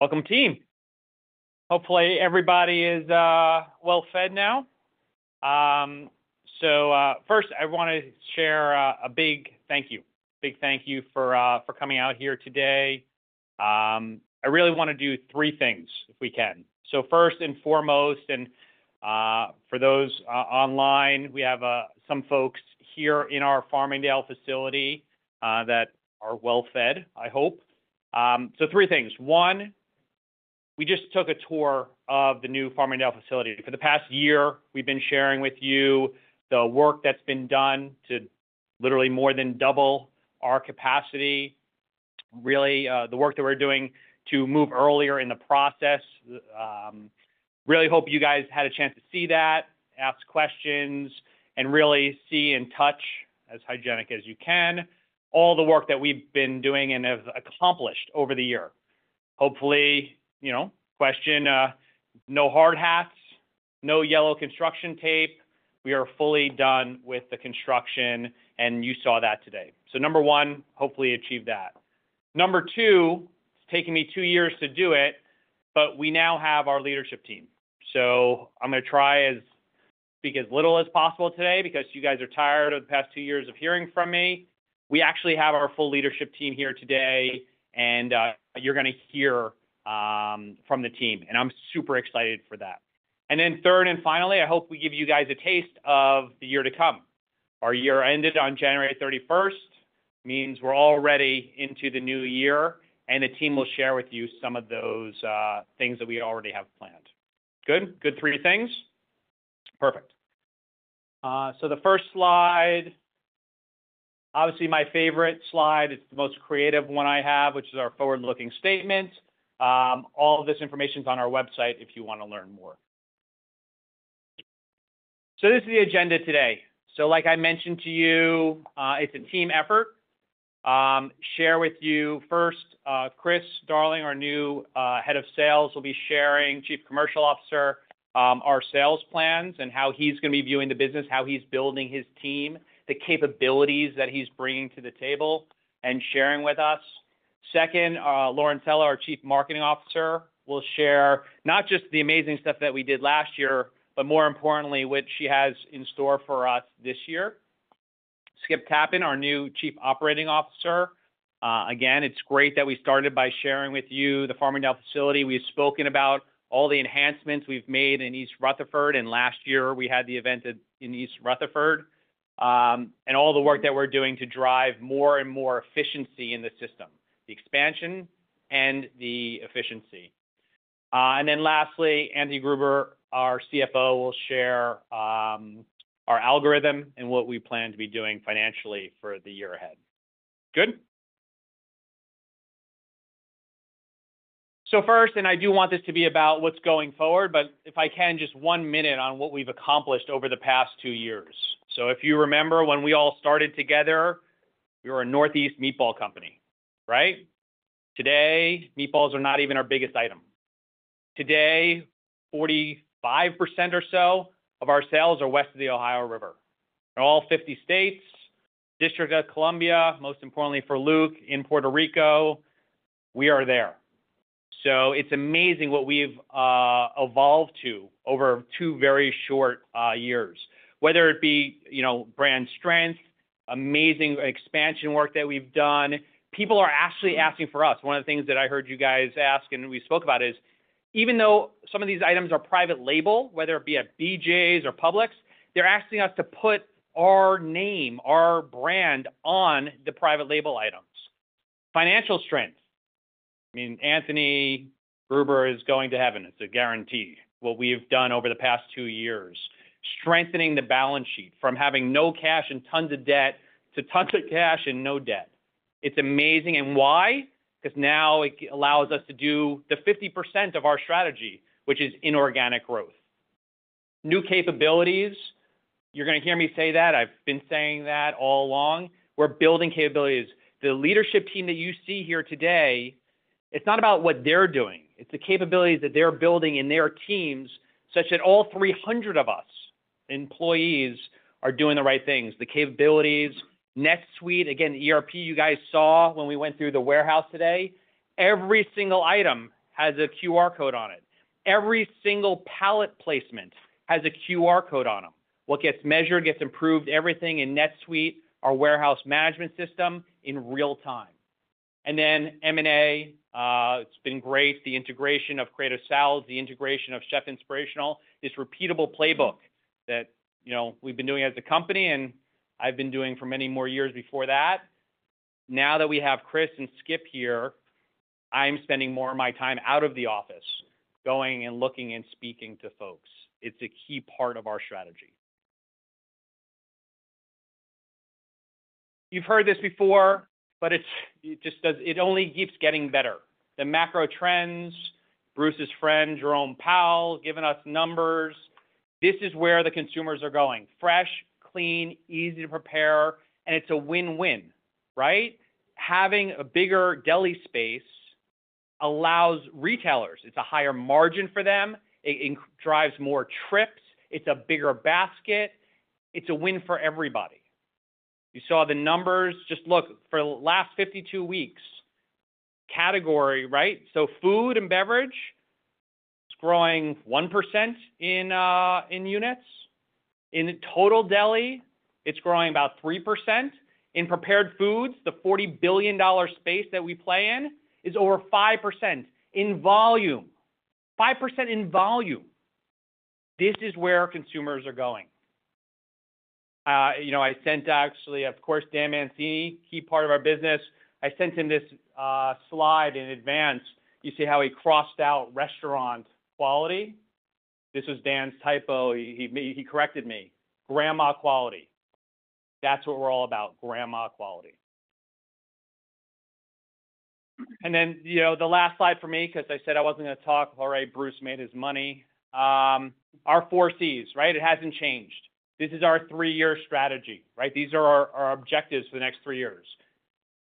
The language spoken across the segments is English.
Welcome, team. Hopefully everybody is well-fed now. So, first I want to share a big thank you. Big thank you for coming out here today. I really want to do three things if we can. So first and foremost, for those online, we have some folks here in our Farmingdale facility that are well-fed, I hope. So three things. One, we just took a tour of the new Farmingdale facility. For the past year, we've been sharing with you the work that's been done to literally more than double our capacity. Really, the work that we're doing to move earlier in the process. I really hope you guys had a chance to see that, ask questions, and really see and touch as hygienic as you can all the work that we've been doing and have accomplished over the year. Hopefully, you know, question, no hard hats, no yellow construction tape. We are fully done with the construction, and you saw that today. So number one, hopefully achieve that. Number two, it's taken me two years to do it, but we now have our leadership team. So I'm going to try and speak as little as possible today because you guys are tired of the past two years of hearing from me. We actually have our full leadership team here today, and you're going to hear from the team, and I'm super excited for that. And then third and finally, I hope we give you guys a taste of the year to come. Our year ended on January 31st, means we're already into the new year, and the team will share with you some of those things that we already have planned. Good? Good three things? Perfect. So the first slide, obviously my favorite slide, it's the most creative one I have, which is our forward-looking statement. All of this information's on our website if you want to learn more. So this is the agenda today. So like I mentioned to you, it's a team effort. Share with you first, Chris Darling, our new head of sales, will be sharing, Chief Commercial Officer, our sales plans and how he's going to be viewing the business, how he's building his team, the capabilities that he's bringing to the table. And sharing with us second, Lauren Sella, our Chief Marketing Officer, will share not just the amazing stuff that we did last year, but more importantly what she has in store for us this year. Skip Tappan, our new Chief Operating Officer. Again, it's great that we started by sharing with you the Farmingdale facility. We've spoken about all the enhancements we've made in East Rutherford, and last year we had the event in East Rutherford, and all the work that we're doing to drive more and more efficiency in the system, the expansion and the efficiency, and then lastly, Anthony Gruber, our CFO, will share our outlook and what we plan to be doing financially for the year ahead. Good? So first, and I do want this to be about what's going forward, but if I can, just one minute on what we've accomplished over the past two years. So if you remember when we all started together, we were a Northeast meatball company, right? Today, meatballs are not even our biggest item. Today, 45% or so of our sales are west of the Ohio River. In all 50 states, District of Columbia, most importantly for Luke, in Puerto Rico, we are there. So it's amazing what we've evolved to over two very short years. Whether it be, you know, brand strength, amazing expansion work that we've done, people are actually asking for us. One of the things that I heard you guys ask and we spoke about is, even though some of these items are private label, whether it be at BJ's or Publix, they're asking us to put our name, our brand on the private label items. Financial strength. I mean, Anthony Gruber is going to heaven. It's a guarantee. What we've done over the past two years, strengthening the balance sheet from having no cash and tons of debt to tons of cash and no debt. It's amazing. And why? Because now it allows us to do the 50% of our strategy, which is inorganic growth. New capabilities. You're going to hear me say that. I've been saying that all along. We're building capabilities. The leadership team that you see here today, it's not about what they're doing. It's the capabilities that they're building in their teams such that all 300 of us employees are doing the right things. The capabilities, NetSuite, again, ERP you guys saw when we went through the warehouse today. Every single item has a QR code on it. Every single pallet placement has a QR code on them. What gets measured gets improved, everything in NetSuite, our warehouse management system in real time, and then M&A, it's been great. The integration of Creative Salads, the integration of Chef Inspirational, this repeatable playbook that, you know, we've been doing as a company and I've been doing for many more years before that. Now that we have Chris and Skip here, I'm spending more of my time out of the office going and looking and speaking to folks. It's a key part of our strategy. You've heard this before, but it just does it only keeps getting better. The macro trends, Bruce's friend, Jerome Powell, giving us numbers. This is where the consumers are going. Fresh, clean, easy to prepare, and it's a win-win, right? Having a bigger deli space allows retailers. It's a higher margin for them. It drives more trips. It's a bigger basket. It's a win for everybody. You saw the numbers. Just look, for the last 52 weeks, category, right? So food and beverage, it's growing 1% in units. In total deli, it's growing about 3%. In prepared foods, the $40 billion space that we play in is over 5% in volume. 5% in volume. This is where consumers are going. You know, I sent actually, of course, Dan Mancini, key part of our business. I sent him this slide in advance. You see how he crossed out restaurant quality. This was Dan's typo. He corrected me. Grandma quality. That's what we're all about. Grandma quality. Then, you know, the last slide for me, because I said I wasn't going to talk. All right, Bruce made his money. Our four C's, right? It hasn't changed. This is our three-year strategy, right? These are our objectives for the next three years.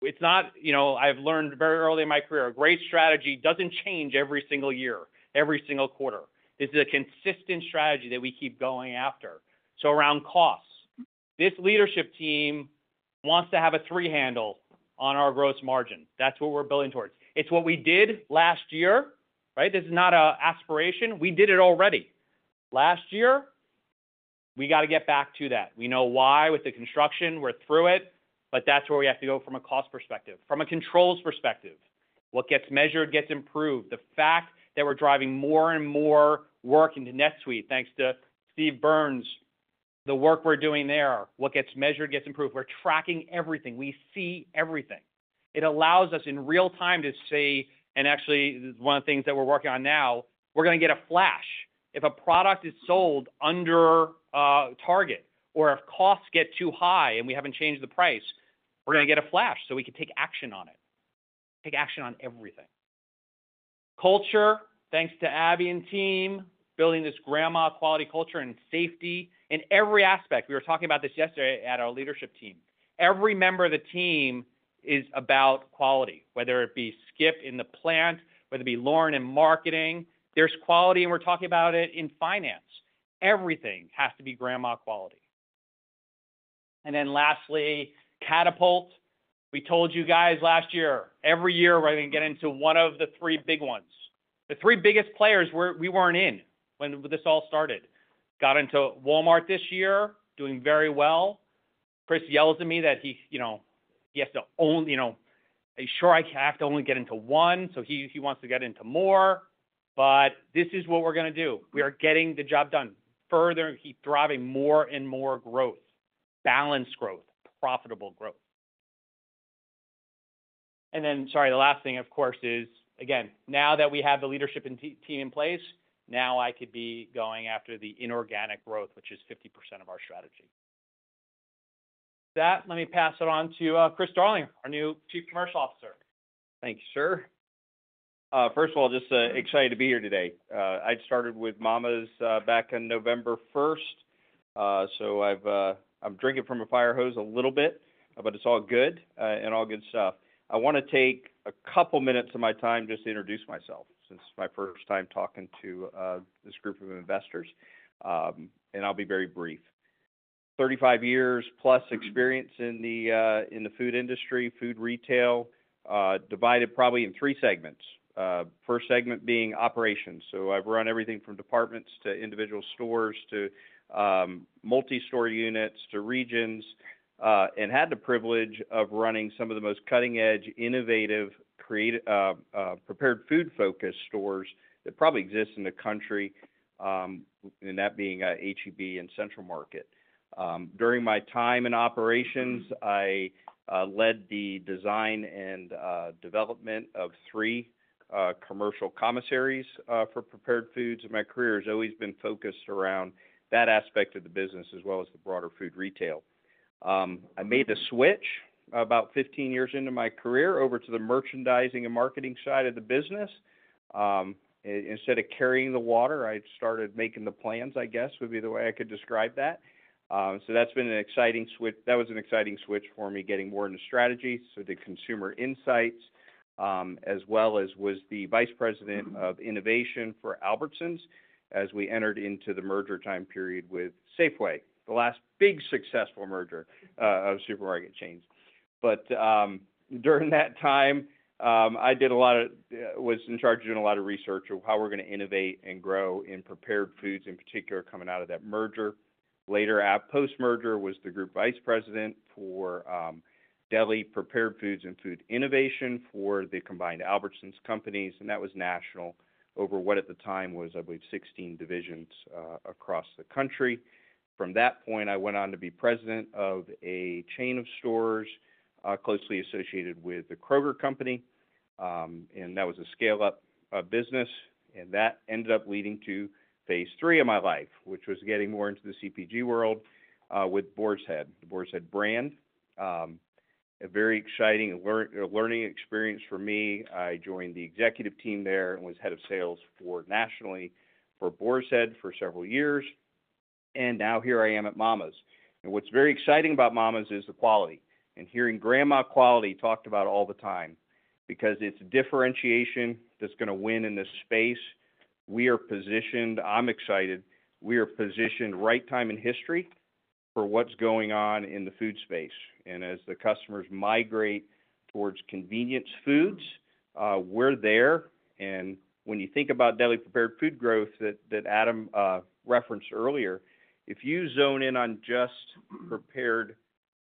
It's not, you know, I've learned very early in my career, a great strategy doesn't change every single year, every single quarter. This is a consistent strategy that we keep going after. So around costs, this leadership team wants to have a three-handle on our gross margin. That's what we're building towards. It's what we did last year, right? This is not an aspiration. We did it already. Last year, we got to get back to that. We know why with the construction. We're through it. But that's where we have to go from a cost perspective. From a controls perspective, what gets measured gets improved. The fact that we're driving more and more work into NetSuite, thanks to Steve Burns, the work we're doing there, what gets measured gets improved. We're tracking everything. We see everything. It allows us in real time to see, and actually one of the things that we're working on now, we're going to get a flash. If a product is sold under target or if costs get too high and we haven't changed the price, we're going to get a flash so we can take action on it. Take action on everything. Culture, thanks to Abby and team, building this grandma quality culture and safety in every aspect. We were talking about this yesterday at our leadership team. Every member of the team is about quality, whether it be Skip in the plant, whether it be Lauren in marketing. There's quality and we're talking about it in finance. Everything has to be grandma quality. And then lastly, catapult. We told you guys last year, every year we're going to get into one of the three big ones. The three biggest players we weren't in when this all started. Got into Walmart this year, doing very well. Chris yells at me that he, you know, he has to only, you know, he's sure I have to only get into one, so he wants to get into more. But this is what we're going to do. We are getting the job done. Further, he's driving more and more growth, balanced growth, profitable growth. And then, sorry, the last thing, of course, is, again, now that we have the leadership and team in place, now I could be going after the inorganic growth, which is 50% of our strategy. With that, let me pass it on to, Chris Darling, our new Chief Commercial Officer. Thank you, sir. First of all, just excited to be here today. I started with Mama's back on November 1st. So I'm drinking from a fire hose a little bit, but it's all good, and all good stuff. I want to take a couple minutes of my time just to introduce myself since it's my first time talking to this group of investors. I'll be very brief. 35 years plus experience in the food industry, food retail, divided probably in three segments. First segment being operations. So I've run everything from departments to individual stores to multi-store units to regions, and had the privilege of running some of the most cutting-edge, innovative, creative, prepared food-focused stores that probably exist in the country, and that being H-E-B and Central Market. During my time in operations, I led the design and development of three commercial commissaries for prepared foods. And my career has always been focused around that aspect of the business as well as the broader food retail. I made the switch about 15 years into my career over to the merchandising and marketing side of the business. Instead of carrying the water, I started making the plans, I guess would be the way I could describe that. So that's been an exciting switch. That was an exciting switch for me, getting more into strategy. So did consumer insights, as well as was the Vice President of Innovation for Albertsons as we entered into the merger time period with Safeway, the last big successful merger of supermarket chains. But during that time, I did a lot of, was in charge of doing a lot of research of how we're going to innovate and grow in prepared foods, in particular coming out of that merger. Later post-merger, was the Group Vice President for deli prepared foods and food innovation for the combined Albertsons Companies, and that was national over what at the time was, I believe, 16 divisions, across the country. From that point, I went on to be President of a chain of stores closely associated with the Kroger Company, and that was a scale-up business, and that ended up leading to phase three of my life, which was getting more into the CPG world with Boar's Head, the Boar's Head brand, a very exciting and learning experience for me. I joined the executive team there and was head of sales nationally for Boar's Head for several years, and now here I am at Mama's, and what's very exciting about Mama's is the quality, and hearing grandma quality talked about all the time because it's differentiation that's going to win in this space. We are positioned. I'm excited. We are positioned right time in history for what's going on in the food space, and as the customers migrate towards convenience foods, we're there, and when you think about deli prepared food growth that Adam referenced earlier, if you zone in on just prepared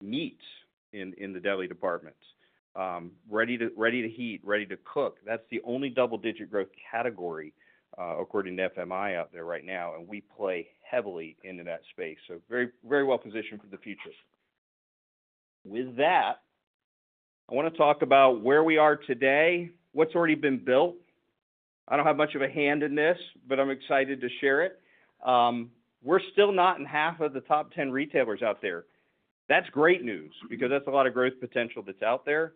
meats in the deli departments, ready to heat, ready to cook, that's the only double-digit growth category, according to FMI out there right now, and we play heavily into that space, so very, very well positioned for the future. With that, I want to talk about where we are today, what's already been built. I don't have much of a hand in this, but I'm excited to share it. We're still not in half of the top 10 retailers out there. That's great news because that's a lot of growth potential that's out there.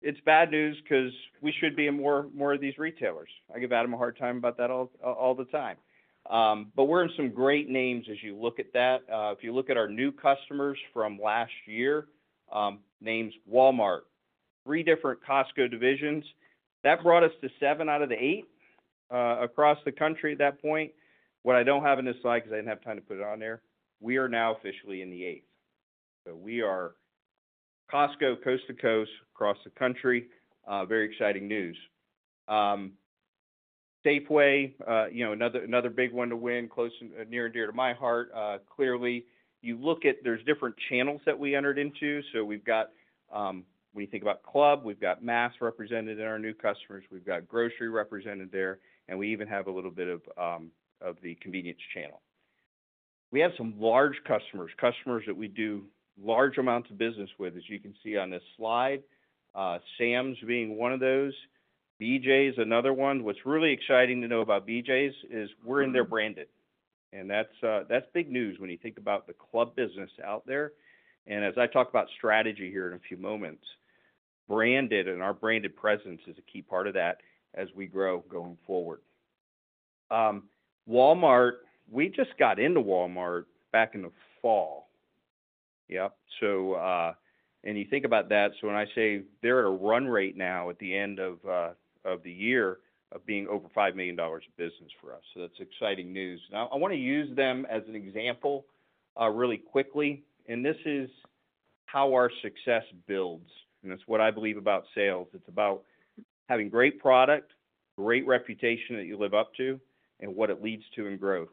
It's bad news because we should be in more of these retailers. I give Adam a hard time about that all the time, but we're in some great names as you look at that. If you look at our new customers from last year, names Walmart, three different Costco divisions. That brought us to seven out of the eight, across the country at that point. What I don't have in this slide, because I didn't have time to put it on there. We are now officially in the eighth. So we are Costco, coast to coast, across the country. Very exciting news. Safeway, you know, another, another big one to win, close and near and dear to my heart. Clearly, you look at, there's different channels that we entered into. So we've got, when you think about club, we've got mass represented in our new customers. We've got grocery represented there. And we even have a little bit of, of the convenience channel. We have some large customers, customers that we do large amounts of business with, as you can see on this slide. Sam's being one of those. BJ's another one. What's really exciting to know about BJ's is we're in their branded. And that's, that's big news when you think about the club business out there. As I talk about strategy here in a few moments, branded and our branded presence is a key part of that as we grow going forward. Walmart, we just got into Walmart back in the fall. Yep. So, and you think about that. So when I say they're at a run rate now at the end of the year of being over $5 million of business for us. So that's exciting news. I want to use them as an example, really quickly. This is how our success builds. It's what I believe about sales. It's about having great product, great reputation that you live up to, and what it leads to in growth.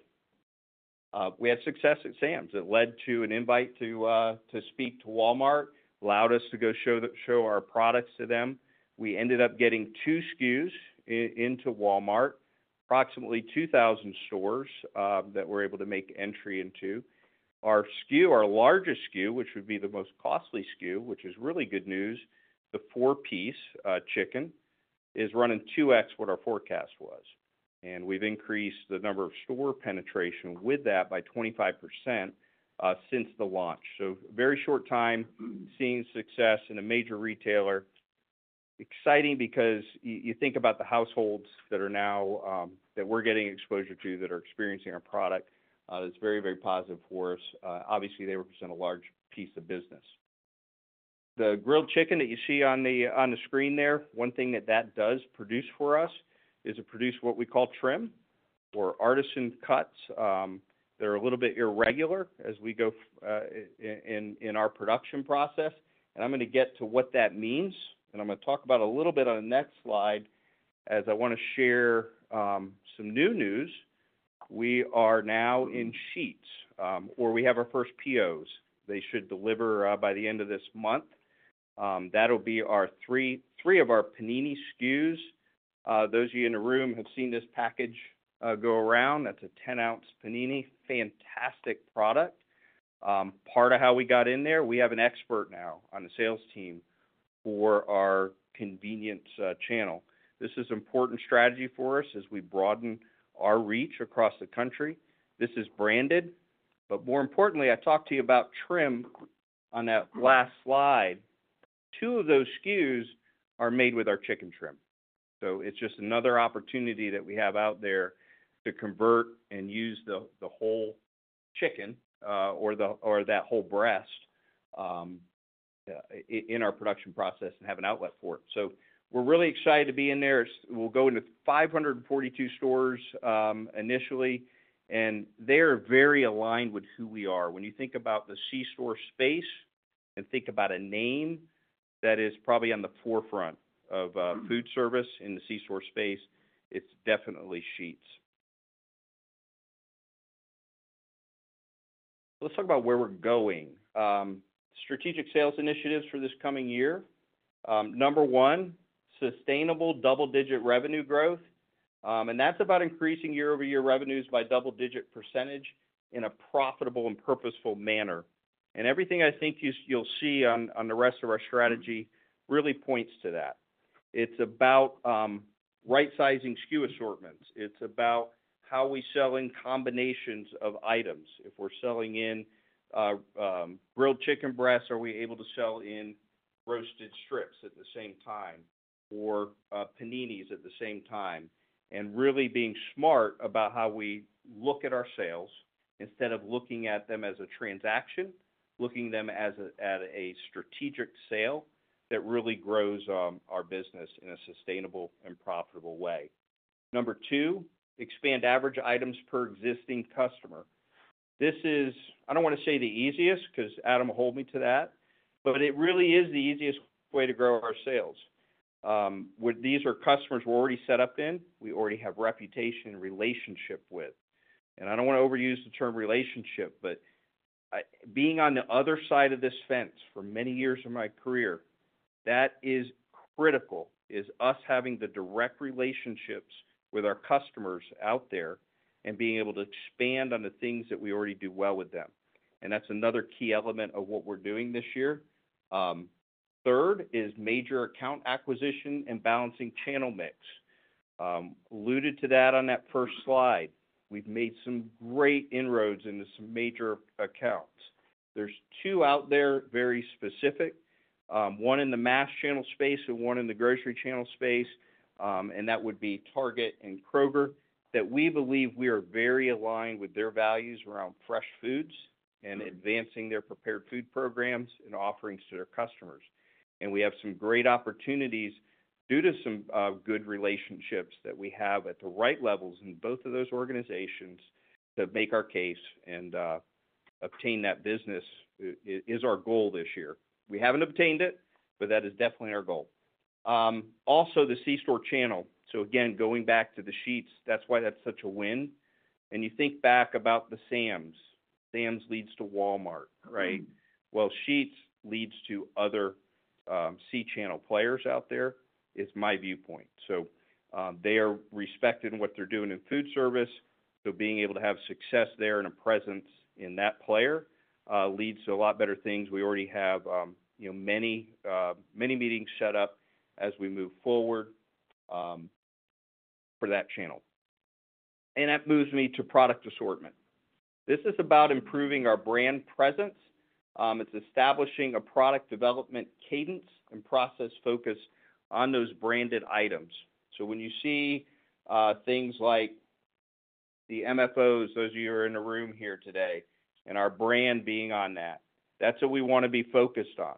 We had success at Sam's. It led to an invite to speak to Walmart, allowed us to go show our products to them. We ended up getting two SKUs in, into Walmart, approximately 2,000 stores, that we're able to make entry into. Our SKU, our largest SKU, which would be the most costly SKU, which is really good news, the four-piece chicken is running 2x what our forecast was. And we've increased the number of store penetration with that by 25%, since the launch. So very short time seeing success in a major retailer. Exciting because you, you think about the households that are now, that we're getting exposure to that are experiencing our product. It's very, very positive for us. Obviously, they represent a large piece of business. The grilled chicken that you see on the, on the screen there, one thing that that does produce for us is it produces what we call trim or artisan cuts. They're a little bit irregular as we go in our production process. And I'm going to get to what that means. And I'm going to talk about a little bit on the next slide as I want to share some new news. We are now in Sheetz, or we have our first POs. They should deliver by the end of this month. That'll be our three of our panini SKUs. Those of you in the room have seen this package go around. That's a 10-ounce panini. Fantastic product. Part of how we got in there, we have an expert now on the sales team for our convenience channel. This is important strategy for us as we broaden our reach across the country. This is branded. But more importantly, I talked to you about trim on that last slide. Two of those SKUs are made with our chicken trim. So it's just another opportunity that we have out there to convert and use the whole chicken, or that whole breast, in our production process and have an outlet for it. So we're really excited to be in there. We'll go into 542 stores, initially, and they're very aligned with who we are. When you think about the C-store space and think about a name that is probably on the forefront of food service in the C-store space, it's definitely Sheetz. Let's talk about where we're going. Strategic sales initiatives for this coming year. Number one, sustainable double-digit revenue growth. And that's about increasing year-over-year revenues by double-digit percentage in a profitable and purposeful manner. And everything I think you'll see on the rest of our strategy really points to that. It's about right-sizing SKU assortments. It's about how we sell in combinations of items. If we're selling in grilled chicken breasts, are we able to sell in roasted strips at the same time or paninis at the same time? And really being smart about how we look at our sales instead of looking at them as a transaction, looking at them as a, at a strategic sale that really grows our business in a sustainable and profitable way. Number two, expand average items per existing customer. This is, I don't want to say the easiest because Adam will hold me to that, but it really is the easiest way to grow our sales. These are customers we're already set up in; we already have reputation and relationship with. And I don't want to overuse the term relationship, but, being on the other side of this fence for many years of my career, that is critical is us having the direct relationships with our customers out there and being able to expand on the things that we already do well with them. And that's another key element of what we're doing this year. Third is major account acquisition and balancing channel mix. Alluded to that on that first slide, we've made some great inroads into some major accounts. There's two out there very specific, one in the mass channel space and one in the grocery channel space. And that would be Target and Kroger that we believe we are very aligned with their values around fresh foods and advancing their prepared food programs and offerings to their customers. We have some great opportunities due to some good relationships that we have at the right levels in both of those organizations to make our case and obtain that business is our goal this year. We haven't obtained it, but that is definitely our goal. Also the C-store channel. So again, going back to the Sheetz, that's why that's such a win. You think back about the Sam's. Sam's leads to Walmart, right? Sheetz leads to other C-store channel players out there is my viewpoint. They are respected in what they're doing in food service. Being able to have success there and a presence in that player leads to a lot better things. We already have, you know, many, many meetings set up as we move forward for that channel. That moves me to product assortment. This is about improving our brand presence. It's establishing a product development cadence and process focus on those branded items. So when you see things like the MFOs, those of you who are in the room here today, and our brand being on that, that's what we want to be focused on.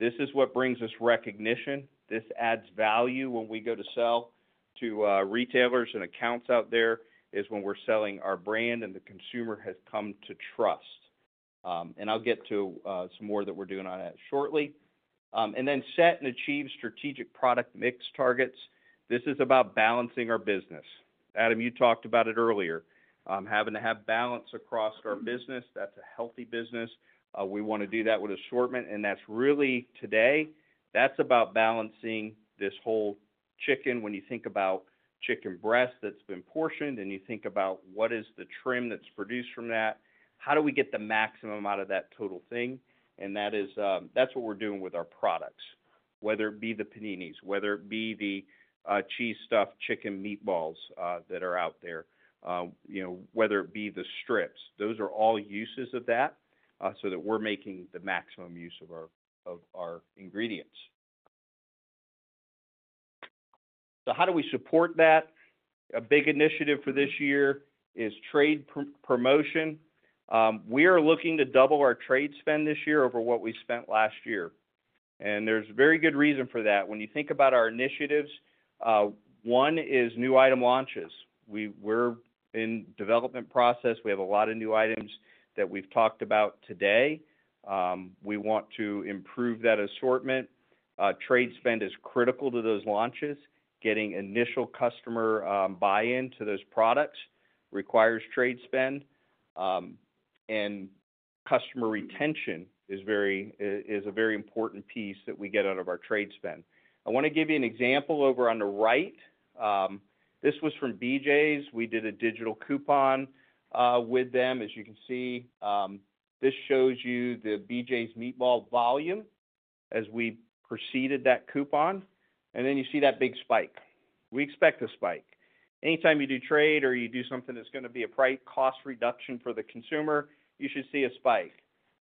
This is what brings us recognition. This adds value when we go to sell to retailers and accounts out there is when we're selling our brand and the consumer has come to trust. And I'll get to some more that we're doing on that shortly. And then set and achieve strategic product mix targets. This is about balancing our business. Adam, you talked about it earlier, having to have balance across our business. That's a healthy business. We want to do that with assortment. And that's really today, that's about balancing this whole chicken. When you think about chicken breast that's been portioned and you think about what is the trim that's produced from that, how do we get the maximum out of that total thing? And that is, that's what we're doing with our products, whether it be the paninis, whether it be the, cheese stuffed chicken meatballs, that are out there, you know, whether it be the strips. Those are all uses of that, so that we're making the maximum use of our, of our ingredients. So how do we support that? A big initiative for this year is trade promotion. We are looking to double our trade spend this year over what we spent last year. And there's very good reason for that. When you think about our initiatives, one is new item launches. We were in development process. We have a lot of new items that we've talked about today. We want to improve that assortment. Trade spend is critical to those launches. Getting initial customer buy-in to those products requires trade spend. And customer retention is very, is a very important piece that we get out of our trade spend. I want to give you an example over on the right. This was from BJ's. We did a digital coupon with them. As you can see, this shows you the BJ's meatball volume as we proceeded with that coupon. And then you see that big spike. We expect a spike. Anytime you do trade or you do something that's going to be a price cost reduction for the consumer, you should see a spike.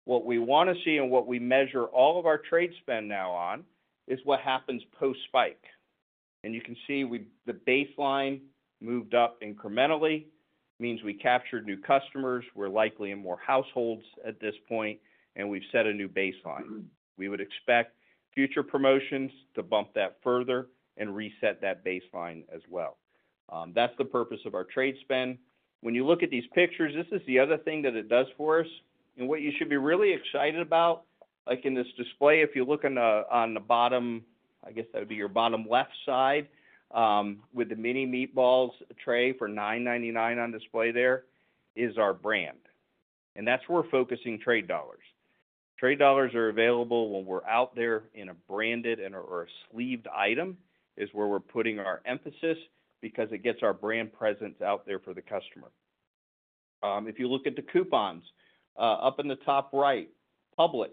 What we want to see and what we measure all of our trade spend now on is what happens post-spike. And you can see we've moved the baseline up incrementally means we captured new customers. We're likely in more households at this point, and we've set a new baseline. We would expect future promotions to bump that further and reset that baseline as well. That's the purpose of our trade spend. When you look at these pictures, this is the other thing that it does for us. And what you should be really excited about, like in this display, if you look on the bottom, I guess that would be your bottom left side, with the mini meatballs tray for $9.99 on display, there is our brand. And that's where we're focusing trade dollars. Trade dollars are available when we're out there in a branded and or a sleeved item is where we're putting our emphasis because it gets our brand presence out there for the customer. If you look at the coupons, up in the top right, Publix,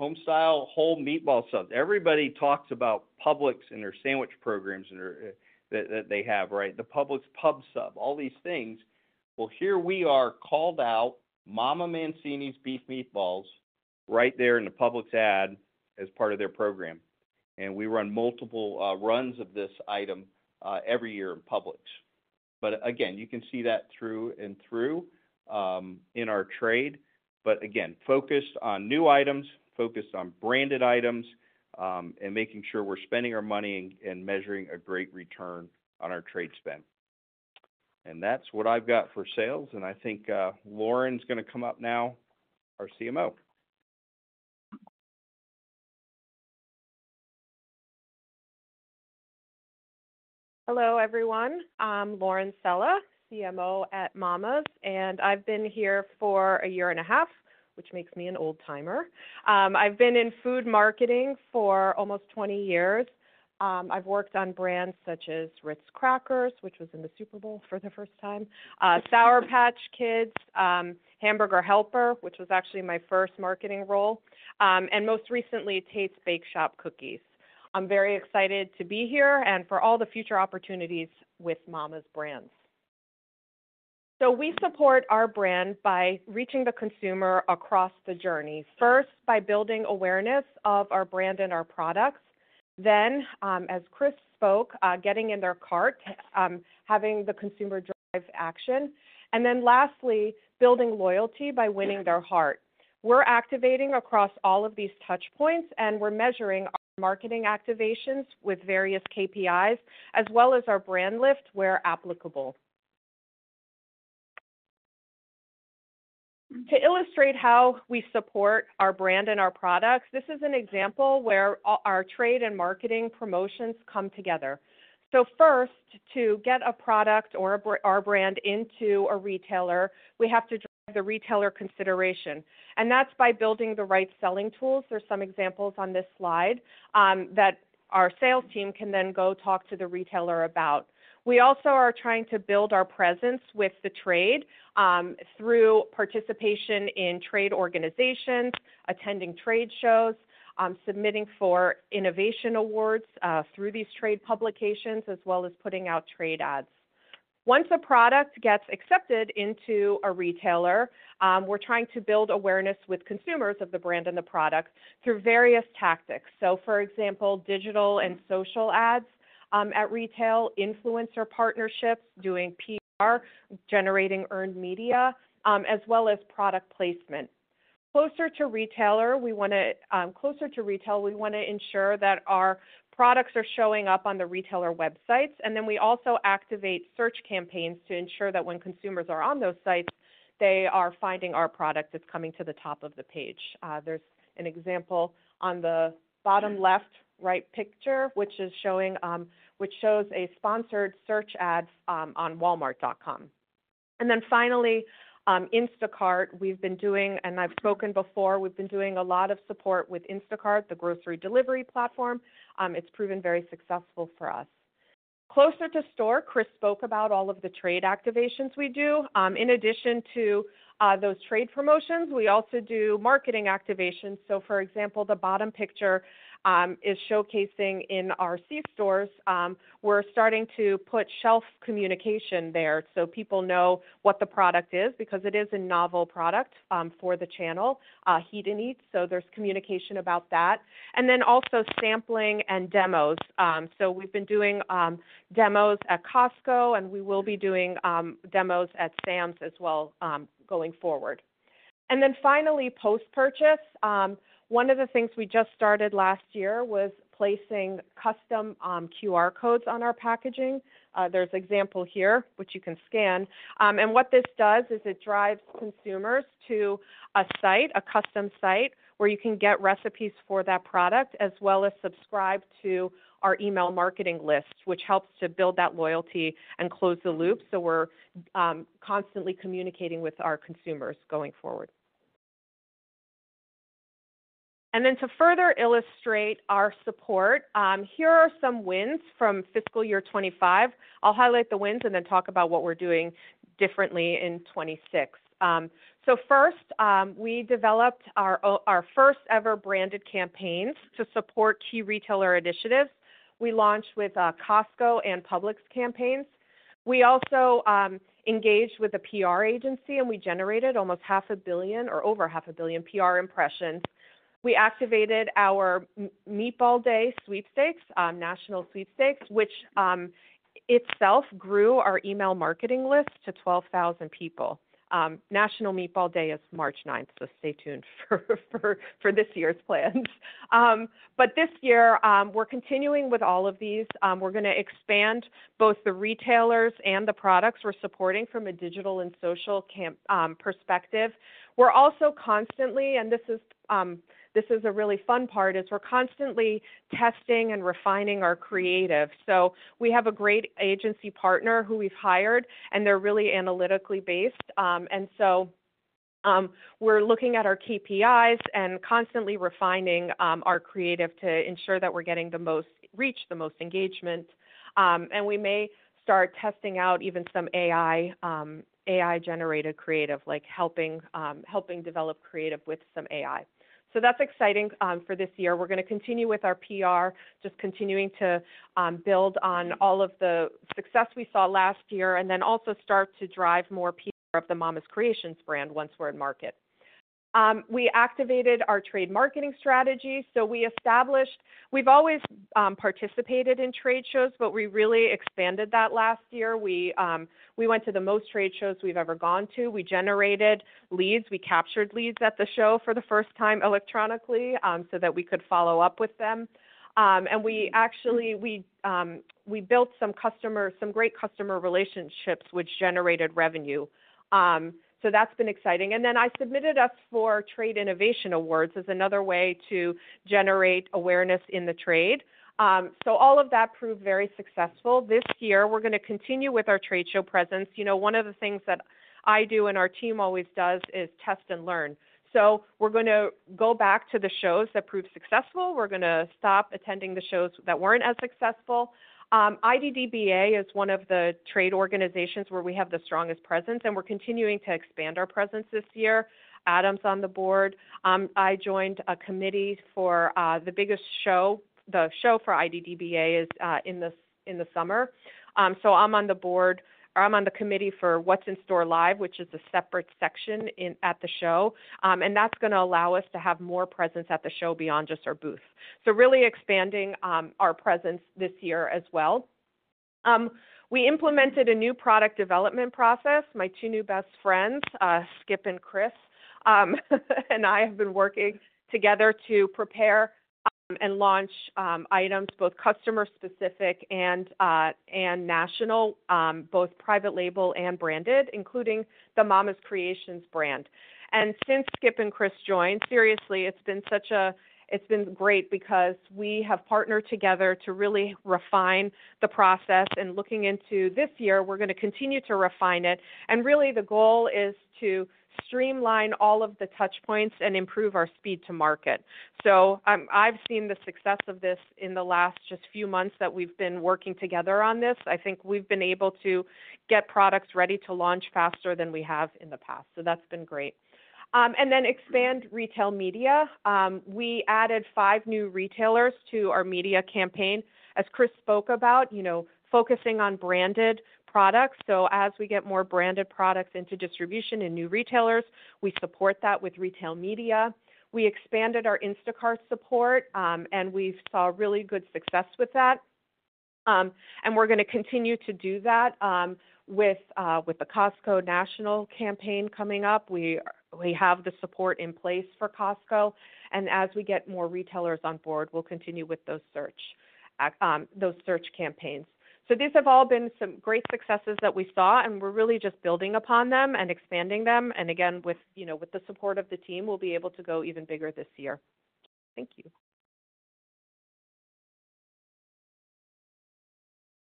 Homestyle Whole Meatball Subs, everybody talks about Publix and their sandwich programs and their that, that they have, right? The Publix Pub Sub, all these things. Well, here we are called out Mama Mancini's Beef Meatballs right there in the Publix ad as part of their program. And we run multiple runs of this item every year in Publix. But again, you can see that through and through in our trade. But again, focused on new items, focused on branded items, and making sure we're spending our money and measuring a great return on our trade spend. And that's what I've got for sales. And I think Lauren's going to come up now, our CMO. Hello, everyone. I'm Lauren Sella, CMO at Mama's, and I've been here for a year and a half, which makes me an old timer. I've been in food marketing for almost 20 years. I've worked on brands such as Ritz Crackers, which was in the Super Bowl for the first time, Sour Patch Kids, Hamburger Helper, which was actually my first marketing role, and most recently Tate's Bake Shop Cookies. I'm very excited to be here and for all the future opportunities with Mama's Brands, so we support our brand by reaching the consumer across the journey, first by building awareness of our brand and our products, then as Chris spoke, getting in their cart, having the consumer drive action, and then lastly, building loyalty by winning their heart. We're activating across all of these touch points, and we're measuring our marketing activations with various KPIs as well as our brand lift where applicable. To illustrate how we support our brand and our products, this is an example where our trade and marketing promotions come together. First, to get a product or our brand into a retailer, we have to drive the retailer consideration. That's by building the right selling tools. There's some examples on this slide that our sales team can then go talk to the retailer about. We also are trying to build our presence with the trade, through participation in trade organizations, attending trade shows, submitting for innovation awards, through these trade publications, as well as putting out trade ads. Once a product gets accepted into a retailer, we're trying to build awareness with consumers of the brand and the product through various tactics. For example, digital and social ads at retail, influencer partnerships, doing PR, generating earned media, as well as product placement. Closer to retail, we want to ensure that our products are showing up on the retailer websites. And then we also activate search campaigns to ensure that when consumers are on those sites, they are finding our product that's coming to the top of the page. There's an example on the bottom left, right picture, which shows a sponsored search ad on Walmart.com. And then finally, Instacart, and I've spoken before, we've been doing a lot of support with Instacart, the grocery delivery platform. It's proven very successful for us. Closer to store, Chris spoke about all of the trade activations we do. In addition to those trade promotions, we also do marketing activations. So for example, the bottom picture is showcasing in our C-stores. We're starting to put shelf communication there so people know what the product is because it is a novel product for the channel, Heat and Eats. So there's communication about that. And then also sampling and demos. So we've been doing demos at Costco, and we will be doing demos at Sam's as well, going forward. And then finally, post-purchase, one of the things we just started last year was placing custom QR codes on our packaging. There's an example here, which you can scan. And what this does is it drives consumers to a site, a custom site where you can get recipes for that product as well as subscribe to our email marketing list, which helps to build that loyalty and close the loop. So we're constantly communicating with our consumers going forward. And then to further illustrate our support, here are some wins from fiscal year 2025. I'll highlight the wins and then talk about what we're doing differently in 2026. So first, we developed our first ever branded campaigns to support key retailer initiatives. We launched with Costco and Publix campaigns. We also engaged with a PR agency, and we generated almost 500 million or over 500 million PR impressions. We activated our Meatball Day sweepstakes, national sweepstakes, which itself grew our email marketing list to 12,000 people. National Meatball Day is March 9th, so stay tuned for this year's plans. But this year, we're continuing with all of these. We're going to expand both the retailers and the products we're supporting from a digital and social campaign perspective. We're also constantly, and this is a really fun part. We're constantly testing and refining our creative. So we have a great agency partner who we've hired, and they're really analytically based. So we're looking at our KPIs and constantly refining our creative to ensure that we're getting the most reach, the most engagement. And we may start testing out even some AI-generated creative, like helping develop creative with some AI. So that's exciting for this year. We're going to continue with our PR, just continuing to build on all of the success we saw last year and then also start to drive more PR of the Mama's Creations brand once we're in market. We activated our trade marketing strategy. So we established. We've always participated in trade shows, but we really expanded that last year. We went to the most trade shows we've ever gone to. We generated leads. We captured leads at the show for the first time electronically, so that we could follow up with them, and we actually built some great customer relationships, which generated revenue, so that's been exciting, and then I submitted us for Trade Innovation Awards as another way to generate awareness in the trade, so all of that proved very successful. This year, we're going to continue with our trade show presence. You know, one of the things that I do and our team always does is test and learn, so we're going to go back to the shows that proved successful. We're going to stop attending the shows that weren't as successful. IDDBA is one of the trade organizations where we have the strongest presence, and we're continuing to expand our presence this year. Adam's on the board. I joined a committee for the biggest show. The show for IDDBA is in the summer, so I'm on the board, or I'm on the committee for What's in Store Live, which is a separate section at the show, and that's going to allow us to have more presence at the show beyond just our booth, so really expanding our presence this year as well. We implemented a new product development process. My two new best friends, Skip and Chris, and I have been working together to prepare and launch items, both customer-specific and national, both private label and branded, including the Mama's Creations brand. And since Skip and Chris joined, seriously, it's been great because we have partnered together to really refine the process. Looking into this year, we're going to continue to refine it. Really, the goal is to streamline all of the touch points and improve our speed to market. I've seen the success of this in the last just few months that we've been working together on this. I think we've been able to get products ready to launch faster than we have in the past. That's been great. Then we expand retail media. We added five new retailers to our media campaign, as Chris spoke about, you know, focusing on branded products. So as we get more branded products into distribution and new retailers, we support that with retail media. We expanded our Instacart support, and we've saw really good success with that. We're going to continue to do that, with the Costco National Campaign coming up. We have the support in place for Costco. And as we get more retailers on board, we'll continue with those search campaigns. So these have all been some great successes that we saw, and we're really just building upon them and expanding them. And again, you know, with the support of the team, we'll be able to go even bigger this year. Thank you.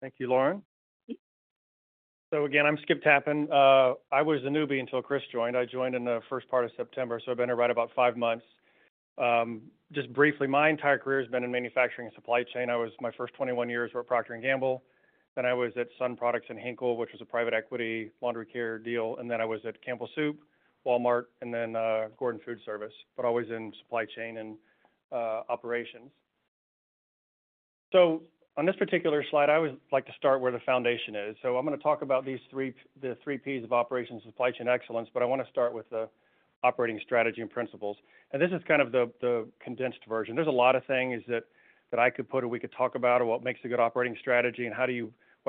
Thank you, Lauren. So again, I'm Skip Tappan. I was a newbie until Chris joined. I joined in the first part of September, so I've been here right about five months. Just briefly, my entire career has been in manufacturing and supply chain. I was my first 21 years at Procter & Gamble. Then I was at Sun Products and Henkel, which was a private equity laundry care deal. And then I was at Campbell Soup, Walmart, and then Gordon Food Service, but always in supply chain and operations. So on this particular slide, I would like to start where the foundation is. So I'm going to talk about these three, the three P's of operations, supply chain excellence, but I want to start with the operating strategy and principles. And this is kind of the condensed version. There's a lot of things that I could put or we could talk about or what makes a good operating strategy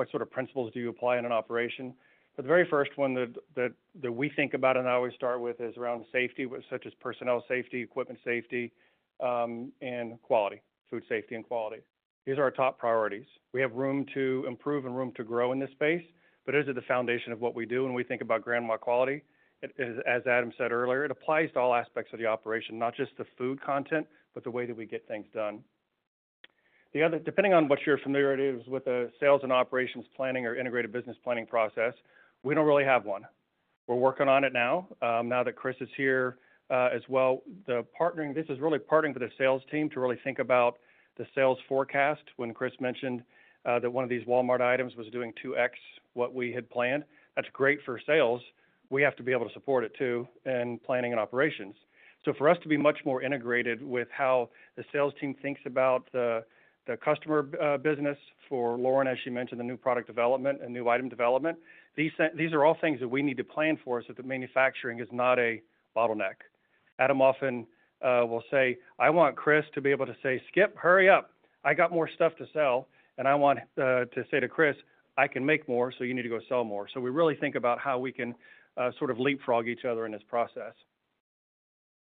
and what sort of principles do you apply in an operation? But the very first one that we think about and I always start with is around safety, such as personnel safety, equipment safety, and quality, food safety and quality. These are our top priorities. We have room to improve and room to grow in this space, but it is at the foundation of what we do. And we think about grandma quality. It is, as Adam said earlier, it applies to all aspects of the operation, not just the food content, but the way that we get things done. The other, depending on what your familiarity is with the sales and operations planning or integrated business planning process, we don't really have one. We're working on it now that Chris is here, as well, the partnering. This is really partnering with the sales team to really think about the sales forecast. When Chris mentioned that one of these Walmart items was doing 2X what we had planned, that's great for sales. We have to be able to support it too in planning and operations. So for us to be much more integrated with how the sales team thinks about the customer business for Lauren, as she mentioned, the new product development and new item development. These are all things that we need to plan for us if the manufacturing is not a bottleneck. Adam often will say, "I want Chris to be able to say, 'Skip, hurry up. I got more stuff to sell.'" And I want to say to Chris, "I can make more, so you need to go sell more." So we really think about how we can sort of leapfrog each other in this process.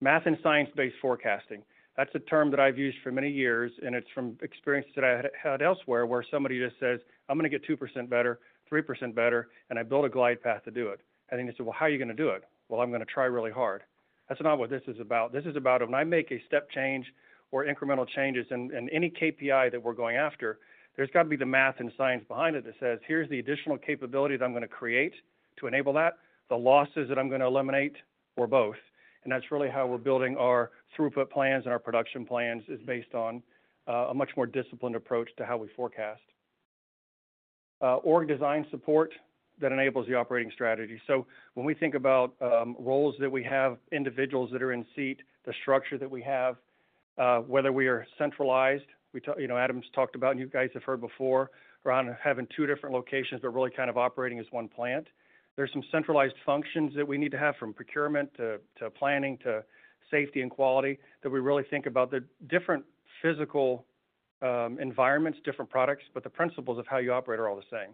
Math and science-based forecasting. That's a term that I've used for many years, and it's from experiences that I had elsewhere where somebody just says, "I'm going to get 2% better, 3% better," and I build a glide path to do it. And then you say, "Well, how are you going to do it?" "Well, I'm going to try really hard." That's not what this is about. This is about when I make a step change or incremental changes in any KPI that we're going after. There's got to be the math and science behind it that says, "Here's the additional capability that I'm going to create to enable that. The losses that I'm going to eliminate or both." And that's really how we're building our throughput plans and our production plans is based on a much more disciplined approach to how we forecast org design support that enables the operating strategy. So when we think about roles that we have, individuals that are in seat, the structure that we have, whether we are centralized, we talk, you know, Adam's talked about, and you guys have heard before, around having two different locations, but really kind of operating as one plant. There's some centralized functions that we need to have from procurement to planning to safety and quality that we really think about the different physical environments, different products, but the principles of how you operate are all the same.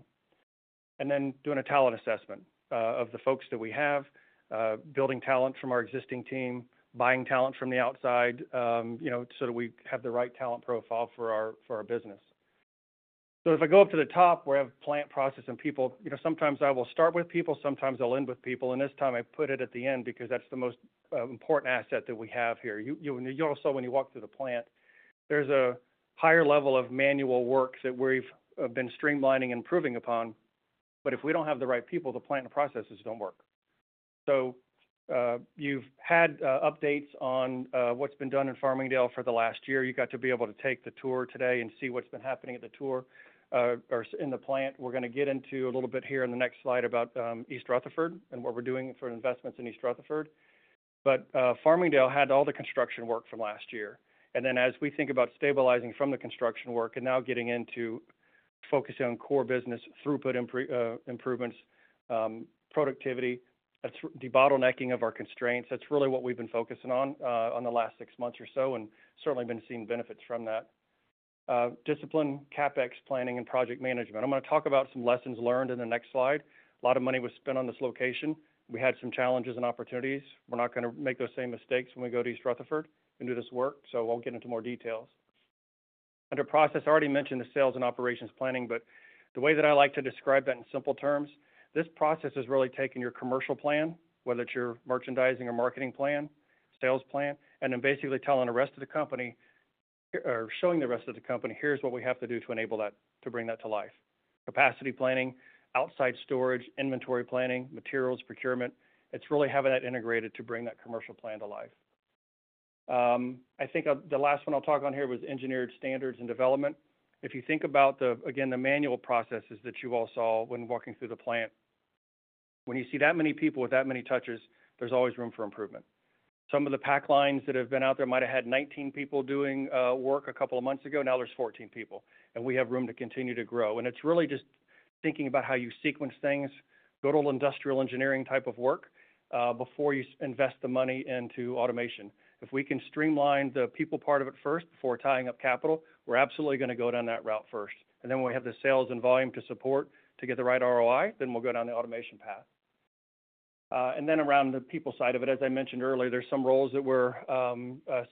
Then doing a talent assessment of the folks that we have, building talent from our existing team, buying talent from the outside, you know, so that we have the right talent profile for our business. So if I go up to the top where I have plant process and people, you know, sometimes I will start with people, sometimes I'll end with people. This time I put it at the end because that's the most important asset that we have here. You also when you walk through the plant, there's a higher level of manual work that we've been streamlining and improving upon. But if we don't have the right people, the plant and processes don't work. So you've had updates on what's been done in Farmingdale for the last year. You got to be able to take the tour today and see what's been happening at the tour, or in the plant. We're going to get into a little bit here in the next slide about East Rutherford and what we're doing for investments in East Rutherford. But Farmingdale had all the construction work from last year. And then as we think about stabilizing from the construction work and now getting into focusing on core business, throughput improvements, productivity, debottlenecking of our constraints, that's really what we've been focusing on in the last six months or so and certainly been seeing benefits from that. Discipline, CapEx, planning, and project management. I'm going to talk about some lessons learned in the next slide. A lot of money was spent on this location. We had some challenges and opportunities. We're not going to make those same mistakes when we go to East Rutherford and do this work. So I'll get into more details. Under process, I already mentioned the sales and operations planning, but the way that I like to describe that in simple terms, this process is really taking your commercial plan, whether it's your merchandising or marketing plan, sales plan, and then basically telling the rest of the company, or showing the rest of the company, "Here's what we have to do to enable that, to bring that to life." Capacity planning, outside storage, inventory planning, materials, procurement. It's really having that integrated to bring that commercial plan to life. I think the last one I'll talk on here was engineered standards and development. If you think about the manual processes again that you all saw when walking through the plant, when you see that many people with that many touches, there's always room for improvement. Some of the pack lines that have been out there might have had 19 people doing work a couple of months ago. Now there's 14 people, and we have room to continue to grow. And it's really just thinking about how you sequence things, go to industrial engineering type of work, before you invest the money into automation. If we can streamline the people part of it first before tying up capital, we're absolutely going to go down that route first. And then when we have the sales and volume to support to get the right ROI, then we'll go down the automation path. And then around the people side of it, as I mentioned earlier, there's some roles that we're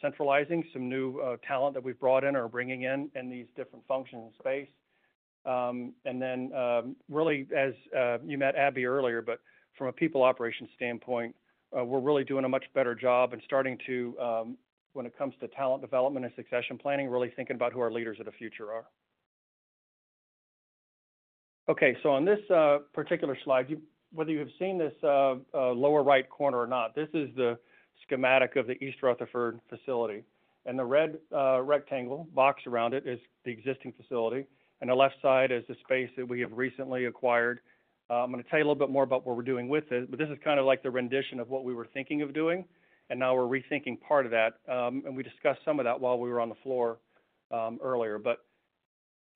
centralizing, some new talent that we've brought in or bringing in in these different functions in space. And then really, as you met Abby earlier, but from a people operations standpoint, we're really doing a much better job and starting to when it comes to talent development and succession planning, really thinking about who our leaders of the future are. Okay. So on this particular slide, whether you have seen this lower right corner or not, this is the schematic of the East Rutherford facility. And the red rectangle box around it is the existing facility. And the left side is the space that we have recently acquired. I'm going to tell you a little bit more about what we're doing with it, but this is kind of like the rendition of what we were thinking of doing. And now we're rethinking part of that. And we discussed some of that while we were on the floor earlier. But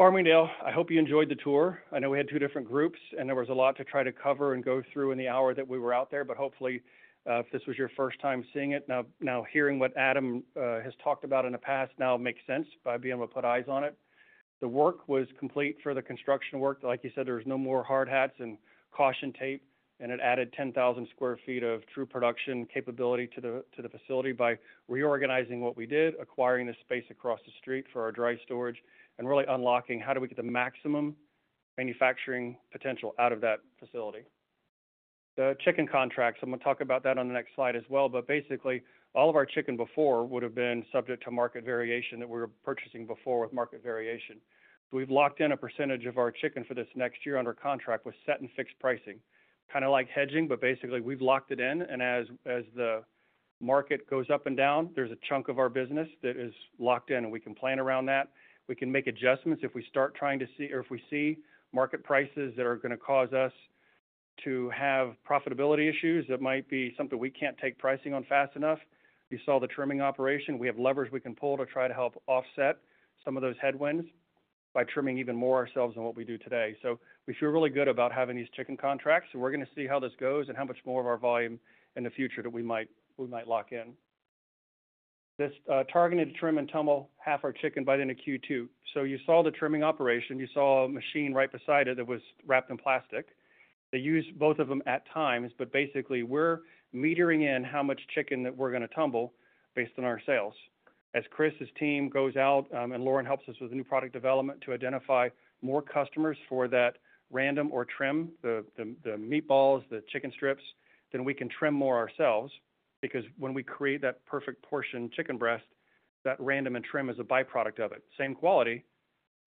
Farmingdale, I hope you enjoyed the tour. I know we had two different groups, and there was a lot to try to cover and go through in the hour that we were out there. But hopefully, if this was your first time seeing it, now hearing what Adam has talked about in the past now makes sense by being able to put eyes on it. The work was complete for the construction work. Like you said, there was no more hard hats and caution tape, and it added 10,000 sq ft of true production capability to the facility by reorganizing what we did, acquiring the space across the street for our dry storage, and really unlocking how do we get the maximum manufacturing potential out of that facility. The chicken contracts, I'm going to talk about that on the next slide as well. But basically, all of our chicken before would have been subject to market variation that we were purchasing before with market variation. So we've locked in a percentage of our chicken for this next year under contract with set and fixed pricing, kind of like hedging, but basically we've locked it in. And as the market goes up and down, there's a chunk of our business that is locked in, and we can plan around that. We can make adjustments if we start trying to see, or if we see market prices that are going to cause us to have profitability issues that might be something we can't take pricing on fast enough. You saw the trimming operation. We have levers we can pull to try to help offset some of those headwinds by trimming even more ourselves than what we do today. So we feel really good about having these chicken contracts. We're going to see how this goes and how much more of our volume in the future that we might, we might lock in. This targeted trim and tumble half our chicken by the end of Q2. So you saw the trimming operation. You saw a machine right beside it that was wrapped in plastic. They use both of them at times, but basically we're metering in how much chicken that we're going to tumble based on our sales. As Chris, his team goes out, and Lauren helps us with the new product development to identify more customers for that random or trim, the meatballs, the chicken strips, then we can trim more ourselves because when we create that perfect portion chicken breast, that random and trim is a byproduct of it, same quality,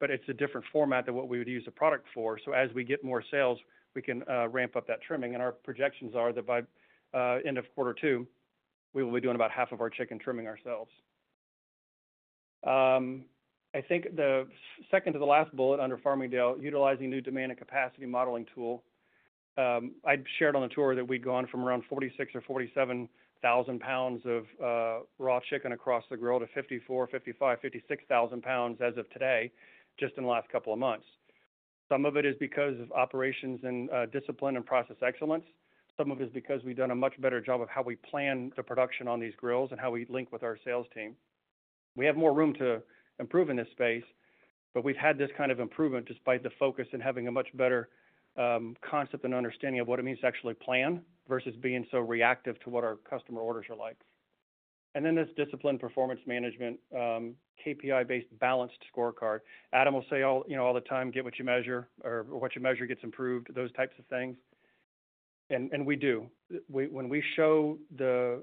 but it's a different format than what we would use the product for. So as we get more sales, we can ramp up that trimming. And our projections are that by end of quarter two, we will be doing about half of our chicken trimming ourselves. I think the second to the last bullet under Farmingdale, utilizing new demand and capacity modeling tool. I'd shared on the tour that we'd gone from around 46,000 or 47,000 pounds of raw chicken across the grill to 54,000, 55,000, 56,000 pounds as of today, just in the last couple of months. Some of it is because of operations and discipline and process excellence. Some of it is because we've done a much better job of how we plan the production on these grills and how we link with our sales team. We have more room to improve in this space, but we've had this kind of improvement despite the focus and having a much better concept and understanding of what it means to actually plan versus being so reactive to what our customer orders are like. And then this discipline performance management, KPI-based Balanced Scorecard. Adam will say all, you know, all the time, "Get what you measure," or, or, "What you measure gets improved," those types of things. And we do. We, when we show the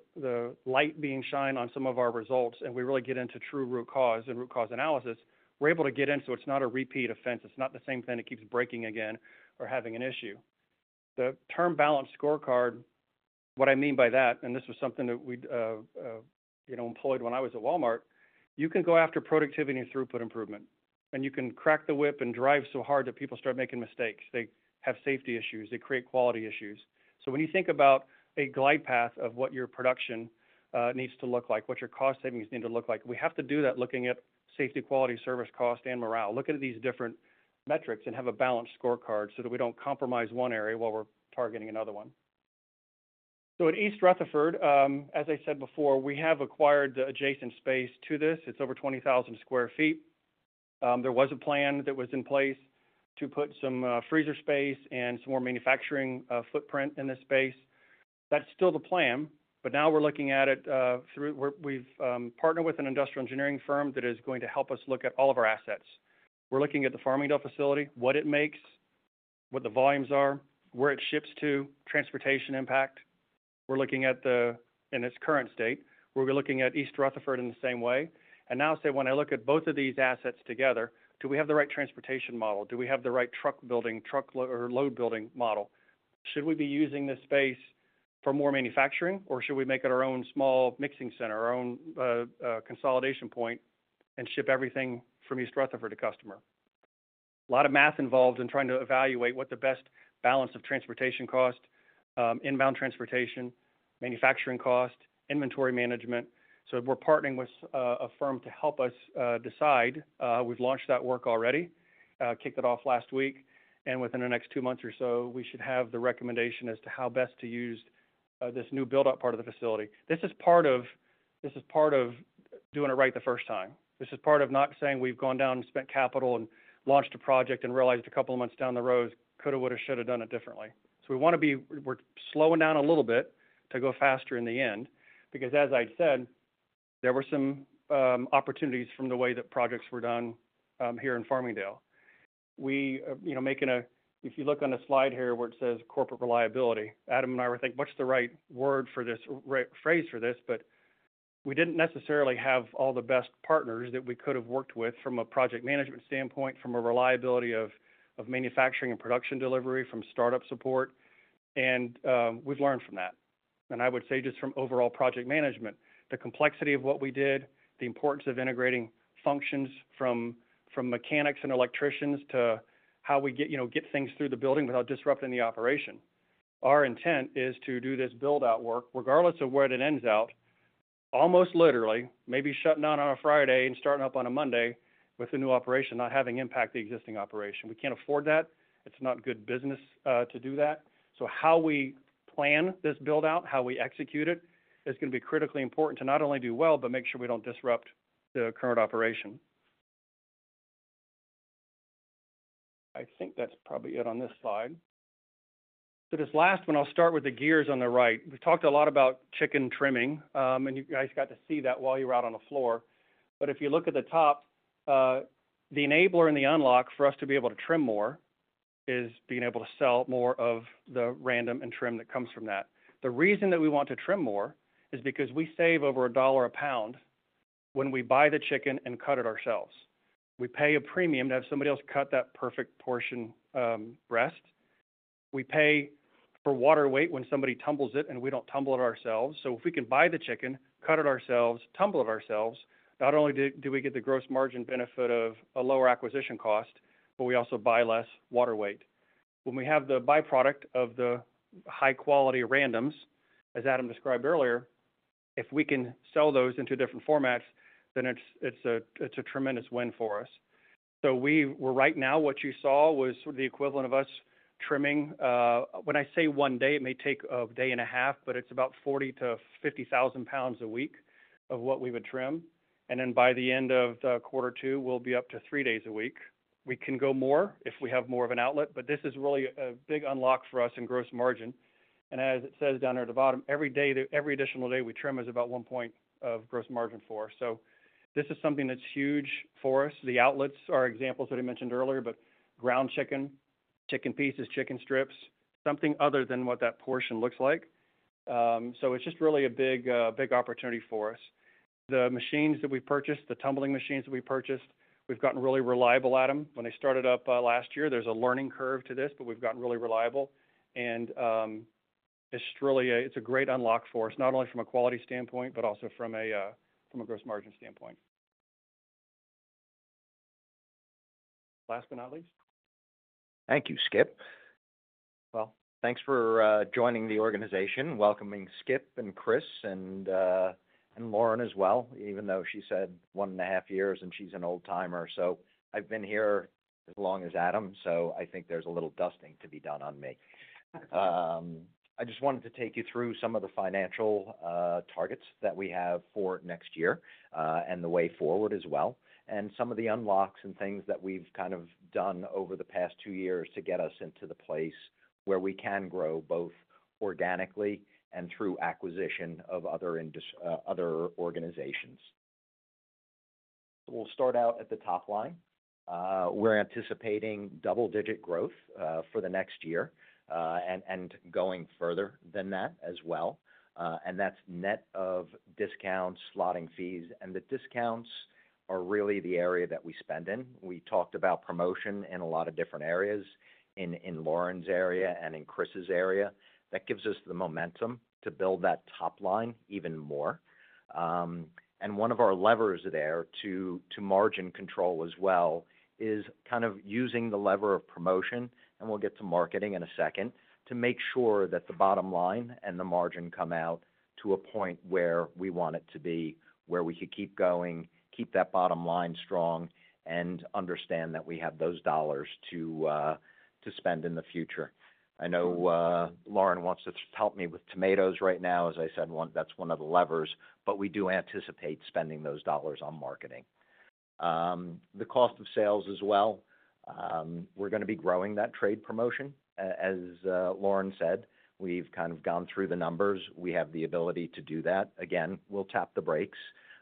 light being shined on some of our results and we really get into true root cause and root cause analysis, we're able to get into it. It's not a repeat offense. It's not the same thing that keeps breaking again or having an issue. The term Balanced Scorecard, what I mean by that, and this was something that we, you know, employed when I was at Walmart, you can go after productivity and throughput improvement, and you can crack the whip and drive so hard that people start making mistakes. They have safety issues. They create quality issues. So when you think about a glide path of what your production needs to look like, what your cost savings need to look like, we have to do that looking at safety, quality, service, cost, and morale. Look at these different metrics and have a Balanced Scorecard so that we don't compromise one area while we're targeting another one. So at East Rutherford, as I said before, we have acquired the adjacent space to this. It's over 20,000 sq ft. There was a plan that was in place to put some freezer space and some more manufacturing footprint in this space. That's still the plan, but now we're looking at it through where we've partnered with an industrial engineering firm that is going to help us look at all of our assets. We're looking at the Farmingdale facility, what it makes, what the volumes are, where it ships to, transportation impact. We're looking at the, in its current state, we'll be looking at East Rutherford in the same way. And now say, when I look at both of these assets together, do we have the right transportation model? Do we have the right truck building, truck or load building model? Should we be using this space for more manufacturing, or should we make it our own small mixing center, our own, consolidation point and ship everything from East Rutherford to customer? A lot of math involved in trying to evaluate what the best balance of transportation cost, inbound transportation, manufacturing cost, inventory management. So we're partnering with, a firm to help us, decide. We've launched that work already, kicked it off last week. Within the next two months or so, we should have the recommendation as to how best to use this new buildup part of the facility. This is part of doing it right the first time. This is part of not saying we've gone down and spent capital and launched a project and realized a couple of months down the road coulda, woulda, shoulda done it differently. We want to be. We're slowing down a little bit to go faster in the end because as I said, there were some opportunities from the way that projects were done here in Farmingdale. You know, if you look on the slide here where it says corporate reliability, Adam and I were thinking what's the right word for this phrase for this, but we didn't necessarily have all the best partners that we could have worked with from a project management standpoint, from a reliability of manufacturing and production delivery, from startup support. And we've learned from that. And I would say just from overall project management, the complexity of what we did, the importance of integrating functions from mechanics and electricians to how we get, you know, get things through the building without disrupting the operation. Our intent is to do this buildout work regardless of where it ends out, almost literally maybe shutting down on a Friday and starting up on a Monday with a new operation, not having impact the existing operation. We can't afford that. It's not good business to do that. So how we plan this buildout, how we execute it, is going to be critically important to not only do well, but make sure we don't disrupt the current operation. I think that's probably it on this slide. So this last one, I'll start with the gears on the right. We've talked a lot about chicken trimming, and you guys got to see that while you were out on the floor. But if you look at the top, the enabler and the unlock for us to be able to trim more is being able to sell more of the random and trim that comes from that. The reason that we want to trim more is because we save over $1 a pound when we buy the chicken and cut it ourselves. We pay a premium to have somebody else cut that perfect portion, breast. We pay for water weight when somebody tumbles it, and we don't tumble it ourselves. So if we can buy the chicken, cut it ourselves, tumble it ourselves, not only do we get the gross margin benefit of a lower acquisition cost, but we also buy less water weight. When we have the byproduct of the high quality randoms, as Adam described earlier, if we can sell those into different formats, then it's a tremendous win for us. So we were right now, what you saw was the equivalent of us trimming. When I say one day, it may take a day and a half, but it's about 40-50,000 pounds a week of what we would trim. And then by the end of the quarter two, we'll be up to three days a week. We can go more if we have more of an outlet, but this is really a big unlock for us in gross margin. And as it says down there at the bottom, every day, every additional day we trim is about one point of gross margin for us. So this is something that's huge for us. The outlets are examples that I mentioned earlier, but ground chicken, chicken pieces, chicken strips, something other than what that portion looks like. So it's just really a big, big opportunity for us. The machines that we've purchased, the tumbling machines that we purchased, we've gotten really reliable, Adam. When they started up, last year, there's a learning curve to this, but we've gotten really reliable. And, it's really a great unlock for us, not only from a quality standpoint, but also from a gross margin standpoint. Last but not least. Thank you, Skip. Well, thanks for joining the organization, welcoming Skip and Chris and Lauren as well, even though she said one and a half years and she's an old timer. So I've been here as long as Adam, so I think there's a little dusting to be done on me. I just wanted to take you through some of the financial targets that we have for next year, and the way forward as well, and some of the unlocks and things that we've kind of done over the past two years to get us into the place where we can grow both organically and through acquisition of other organizations. So we'll start out at the top line. We're anticipating double-digit growth for the next year and going further than that as well. That's net of discounts, slotting fees, and the discounts are really the area that we spend in. We talked about promotion in a lot of different areas in Lauren's area and in Chris's area. That gives us the momentum to build that top line even more. One of our levers there to margin control as well is kind of using the lever of promotion, and we'll get to marketing in a second to make sure that the bottom line and the margin come out to a point where we want it to be, where we could keep going, keep that bottom line strong, and understand that we have those dollars to spend in the future. I know Lauren wants to help me with tomatoes right now. As I said, one, that's one of the levers, but we do anticipate spending those dollars on marketing. The cost of sales as well. We're going to be growing that trade promotion. As Lauren said, we've kind of gone through the numbers. We have the ability to do that. Again, we'll tap the brakes,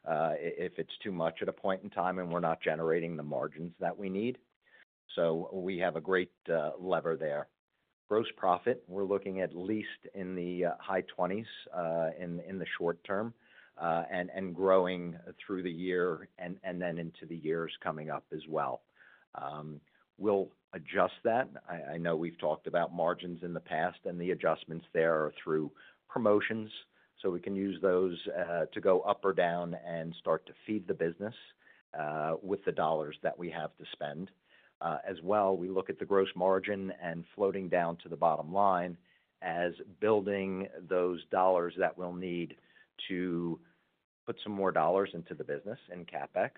if it's too much at a point in time and we're not generating the margins that we need. So we have a great lever there. Gross profit, we're looking at least in the high twenties in the short term, and growing through the year and then into the years coming up as well. We'll adjust that. I know we've talked about margins in the past and the adjustments there are through promotions, so we can use those to go up or down and start to feed the business with the dollars that we have to spend. As well, we look at the gross margin and floating down to the bottom line as building those dollars that we'll need to put some more dollars into the business and CapEx,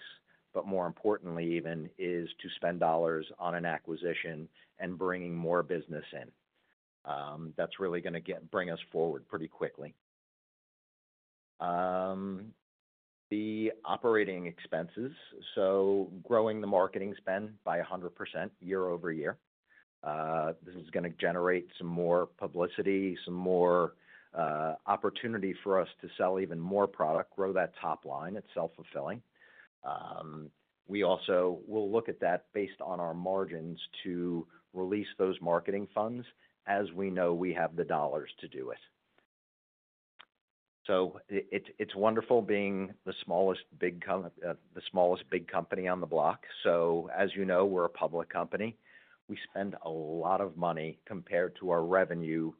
but more importantly even is to spend dollars on an acquisition and bringing more business in. That's really going to get us forward pretty quickly. The operating expenses. So growing the marketing spend by 100% year over year. This is going to generate some more publicity, some more opportunity for us to sell even more product, grow that top line. It's self-fulfilling. We also will look at that based on our margins to release those marketing funds as we know we have the dollars to do it. So it's wonderful being the smallest big company on the block. So as you know, we're a public company. We spend a lot of money compared to our revenue,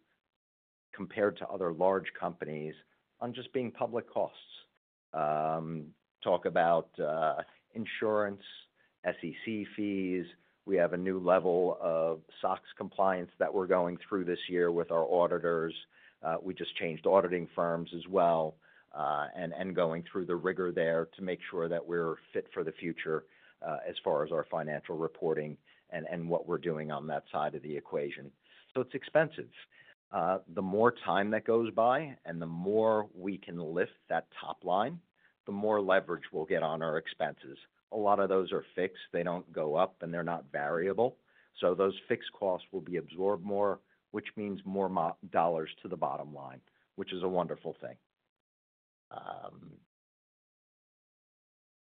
compared to other large companies on just being public costs. Talk about insurance, SEC fees. We have a new level of SOX compliance that we're going through this year with our auditors. We just changed auditing firms as well, and going through the rigor there to make sure that we're fit for the future, as far as our financial reporting and what we're doing on that side of the equation. So it's expensive. The more time that goes by and the more we can lift that top line, the more leverage we'll get on our expenses. A lot of those are fixed. They don't go up and they're not variable. So those fixed costs will be absorbed more, which means more dollars to the bottom line, which is a wonderful thing.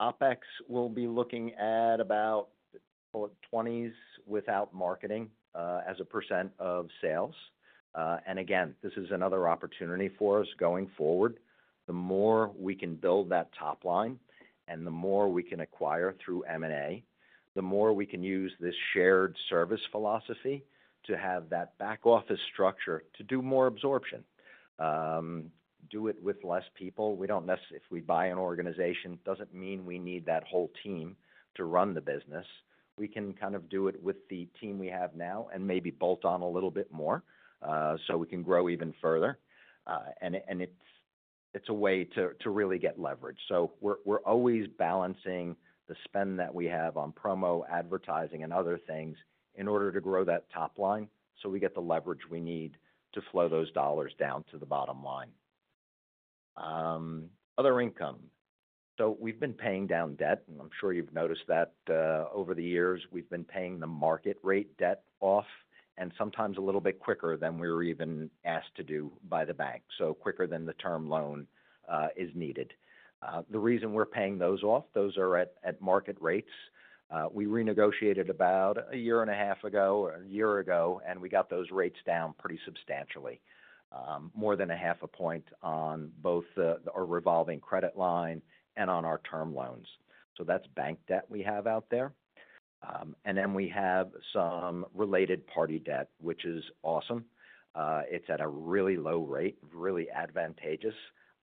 OpEx we'll be looking at about a couple of twenties without marketing, as a % of sales. And again, this is another opportunity for us going forward. The more we can build that top line and the more we can acquire through M&A, the more we can use this shared service philosophy to have that back office structure to do more absorption, do it with less people. We don't necessarily, if we buy an organization, doesn't mean we need that whole team to run the business. We can kind of do it with the team we have now and maybe bolt on a little bit more, so we can grow even further, and it's a way to really get leverage. So we're always balancing the spend that we have on promo, advertising, and other things in order to grow that top line so we get the leverage we need to flow those dollars down to the bottom line. Other income. So we've been paying down debt, and I'm sure you've noticed that, over the years we've been paying the market rate debt off and sometimes a little bit quicker than we were even asked to do by the bank. So quicker than the term loan is needed. The reason we're paying those off, those are at market rates. We renegotiated about a year and a half ago or a year ago, and we got those rates down pretty substantially, more than half a point on both our revolving credit line and on our term loans. That's bank debt we have out there. Then we have some related party debt, which is awesome. It's at a really low rate, really advantageous.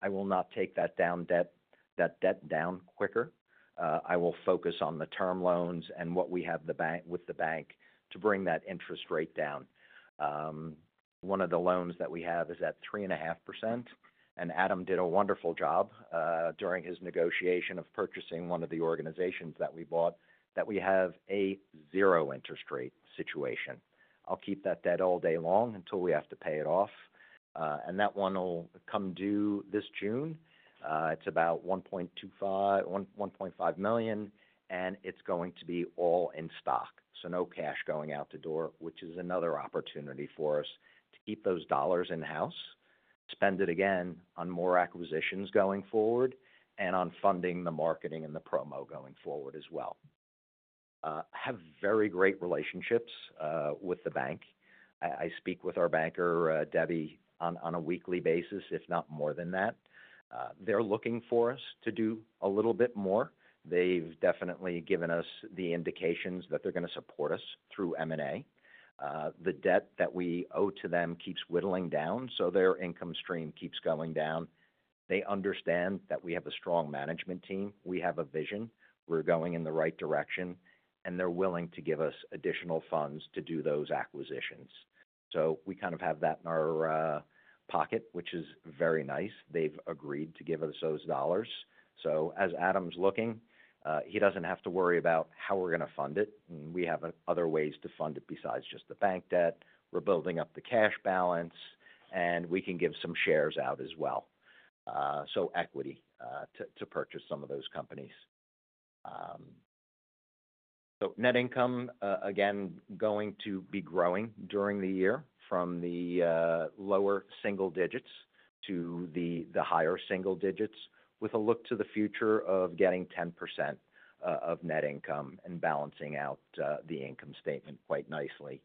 I will not take that debt down quicker. I will focus on the term loans and what we have with the bank to bring that interest rate down. One of the loans that we have is at 3.5%, and Adam did a wonderful job during his negotiation of purchasing one of the organizations that we bought that we have a 0% interest rate situation. I'll keep that debt all day long until we have to pay it off, and that one will come due this June. It's about $1.25-$1.5 million, and it's going to be all in stock, so no cash going out the door, which is another opportunity for us to keep those dollars in-house, spend it again on more acquisitions going forward and on funding the marketing and the promo going forward as well. We have very great relationships with the bank. I, I speak with our banker, Debbie on, on a weekly basis, if not more than that. They're looking for us to do a little bit more. They've definitely given us the indications that they're going to support us through M&A. The debt that we owe to them keeps whittling down, so their income stream keeps going down. They understand that we have a strong management team. We have a vision. We're going in the right direction, and they're willing to give us additional funds to do those acquisitions, so we kind of have that in our pocket, which is very nice. They've agreed to give us those dollars, so as Adam's looking, he doesn't have to worry about how we're going to fund it. We have other ways to fund it besides just the bank debt. We're building up the cash balance, and we can give some shares out as well, so equity to purchase some of those companies. Net income, again, going to be growing during the year from the lower single digits to the higher single digits with a look to the future of getting 10% of net income and balancing out the income statement quite nicely.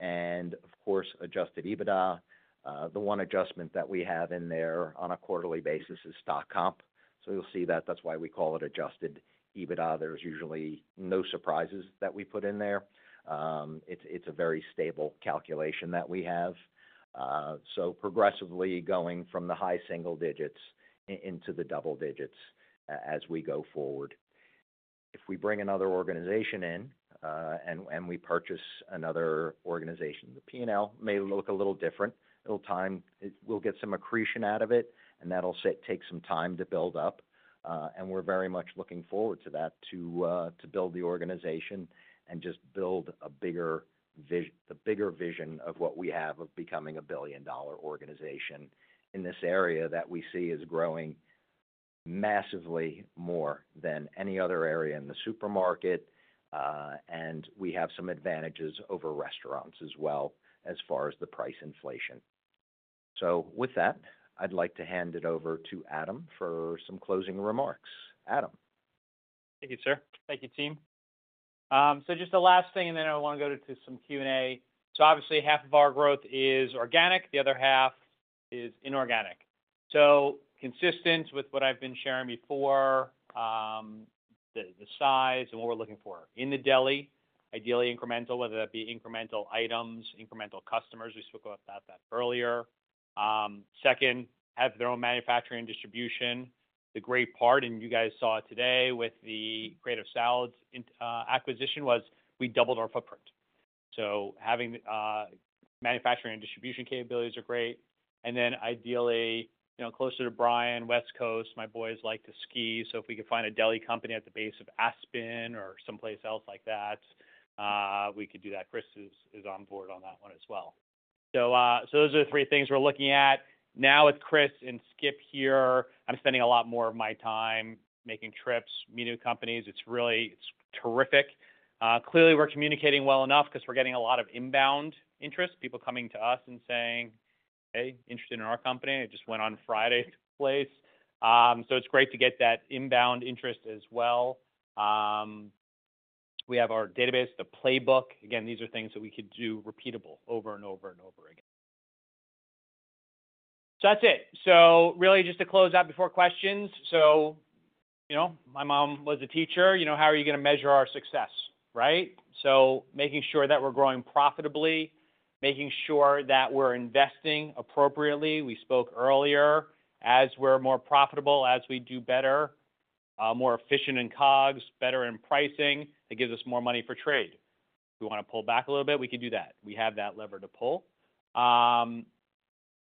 And of course, Adjusted EBITDA, the one adjustment that we have in there on a quarterly basis is stock comp. So you'll see that that's why we call it Adjusted EBITDA. There's usually no surprises that we put in there. It's a very stable calculation that we have. So progressively going from the high single digits into the double digits as we go forward. If we bring another organization in, and we purchase another organization, the P&L may look a little different. It'll take time, we'll get some accretion out of it, and that'll take some time to build up. And we're very much looking forward to that, to build the organization and just build a bigger vision, the bigger vision of what we have of becoming a billion-dollar organization in this area that we see is growing massively more than any other area in the supermarket. And we have some advantages over restaurants as well as far as the price inflation. So with that, I'd like to hand it over to Adam for some closing remarks. Adam. Thank you, sir. Thank you, team. Just the last thing, and then I want to go to some Q&A. Obviously half of our growth is organic. The other half is inorganic. Consistent with what I've been sharing before, the size and what we're looking for in the deli, ideally incremental, whether that be incremental items, incremental customers. We spoke about that earlier. Second, have their own manufacturing and distribution. The great part, and you guys saw it today with the Creative Salads acquisition was we doubled our footprint. Having manufacturing and distribution capabilities are great. And then ideally, you know, closer to the Bay Area, West Coast, my boys like to ski. So if we could find a deli company at the base of Aspen or someplace else like that, we could do that. Chris is on board on that one as well. So those are the three things we're looking at. Now with Chris and Skip here, I'm spending a lot more of my time making trips, meeting new companies. It's really terrific. Clearly we're communicating well enough because we're getting a lot of inbound interest, people coming to us and saying, "Hey, interested in our company." It just went on Friday to a place. So it's great to get that inbound interest as well. We have our database, the playbook. Again, these are things that we could do repeatable over and over and over again. So that's it. So really just to close out before questions. So, you know, my mom was a teacher. You know, how are you going to measure our success, right? So making sure that we're growing profitably, making sure that we're investing appropriately. We spoke earlier, as we're more profitable, as we do better, more efficient in COGS, better in pricing, it gives us more money for trade. If we want to pull back a little bit, we could do that. We have that lever to pull.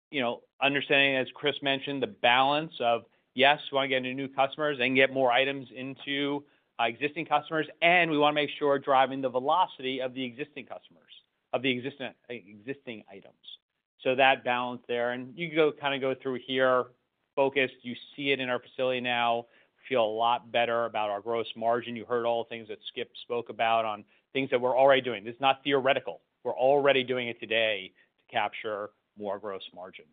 You know, understanding, as Chris mentioned, the balance of, yes, we want to get new customers and get more items into existing customers, and we want to make sure driving the velocity of the existing customers, of the existing items. So that balance there, and you can kind of go through here, focused. You see it in our facility now. Feel a lot better about our gross margin. You heard all the things that Skip spoke about on things that we're already doing. This is not theoretical. We're already doing it today to capture more gross margin.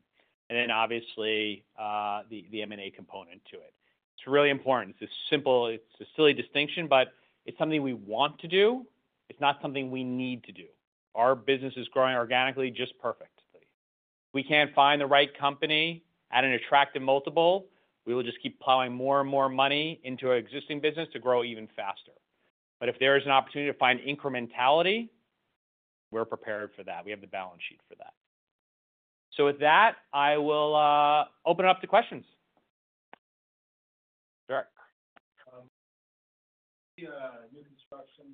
And then, obviously, the M&A component to it. It's really important. It's a simple, silly distinction, but it's something we want to do. It's not something we need to do. Our business is growing organically, just perfectly. If we can't find the right company at an attractive multiple, we will just keep plowing more and more money into our existing business to grow even faster. But if there is an opportunity to find incrementality, we're prepared for that. We have the balance sheet for that. So with that, I will open it up to questions. Derek. The new construction.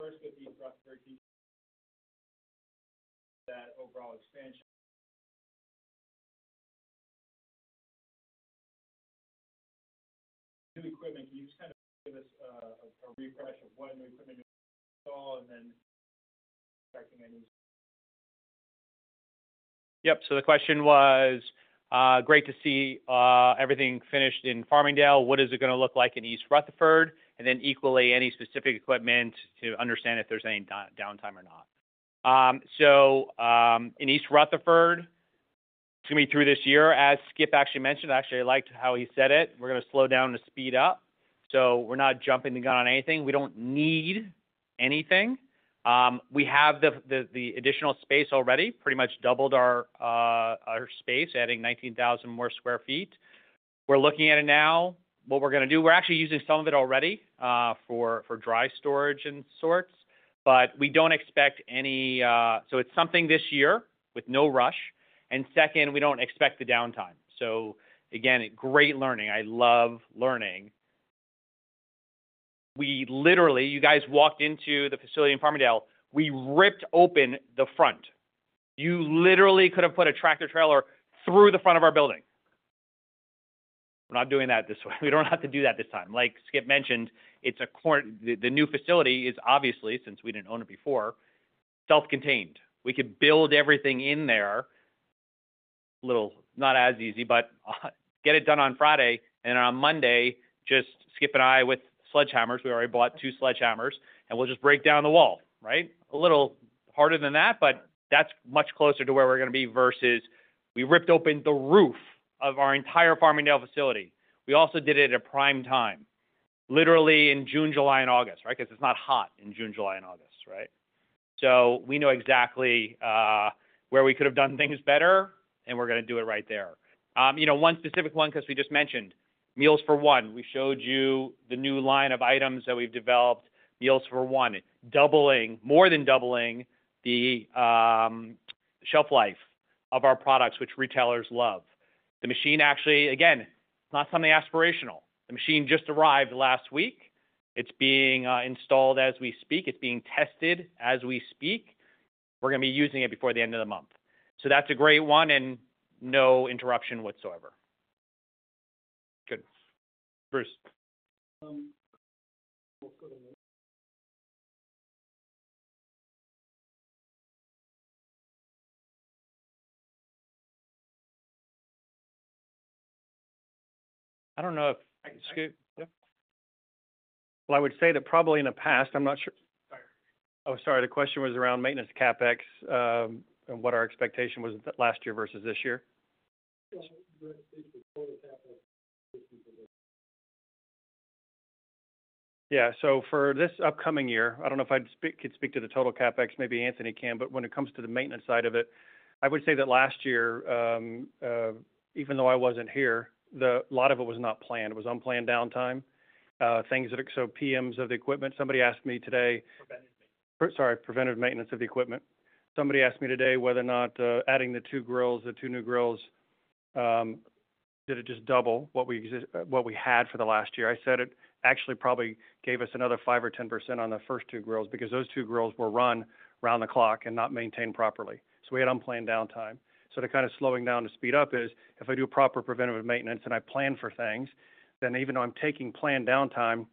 First, with the prospecting that overall expansion. New equipment, can you just kind of give us a refresh of what new equipment you install and then checking any? Yep. So the question was, great to see everything finished in Farmingdale. What is it going to look like in East Rutherford? And then equally, any specific equipment to understand if there's any downtime or not. So, in East Rutherford, it's going to be through this year, as Skip actually mentioned. I actually liked how he said it. We're going to slow down to speed up. So we're not jumping the gun on anything. We don't need anything. We have the additional space already, pretty much doubled our space, adding 19,000 sq ft. We're looking at it now. What we're going to do, we're actually using some of it already, for dry storage and sorts, but we don't expect any, so it's something this year with no rush. Second, we don't expect the downtime. So again, great learning. I love learning. We literally, you guys walked into the facility in Farmingdale, we ripped open the front. You literally could have put a tractor trailer through the front of our building. We're not doing that this way. We don't have to do that this time. Like Skip mentioned, it's a corner. The new facility is obviously, since we didn't own it before, self-contained. We could build everything in there, little, not as easy, but get it done on Friday, and then on Monday, just Skip and I with sledgehammers. We already bought two sledgehammers, and we'll just break down the wall, right? A little harder than that, but that's much closer to where we're going to be versus we ripped open the roof of our entire Farmingdale facility. We also did it at a prime time, literally in June, July, and August, right? Because it's not hot in June, July, and August, right? So we know exactly where we could have done things better, and we're going to do it right there. You know, one specific one, because we just mentioned Meals for One. We showed you the new line of items that we've developed, Meals for One, doubling, more than doubling the shelf life of our products, which retailers love. The machine actually, again, it's not something aspirational. The machine just arrived last week. It's being installed as we speak. It's being tested as we speak. We're going to be using it before the end of the month. That's a great one and no interruption whatsoever. Good. Bruce. I don't know if Skip, well, I would say that probably in the past, I'm not sure. Oh, sorry. The question was around maintenance CapEx, and what our expectation was last year versus this year. Yeah. For this upcoming year, I don't know if I could speak to the total CapEx, maybe Anthony can, but when it comes to the maintenance side of it, I would say that last year, even though I wasn't here, a lot of it was not planned. It was unplanned downtime so PMs of the equipment. Somebody asked me today. Preventive maintenance. Sorry, preventive maintenance of the equipment. Somebody asked me today whether or not, adding the two grills, the two new grills, did it just double what we had for the last year. I said it actually probably gave us another 5% or 10% on the first two grills because those two grills were run around the clock and not maintained properly. So we had unplanned downtime. So to kind of slowing down to speed up is if I do proper preventive maintenance and I plan for things, then even though I'm taking planned downtime,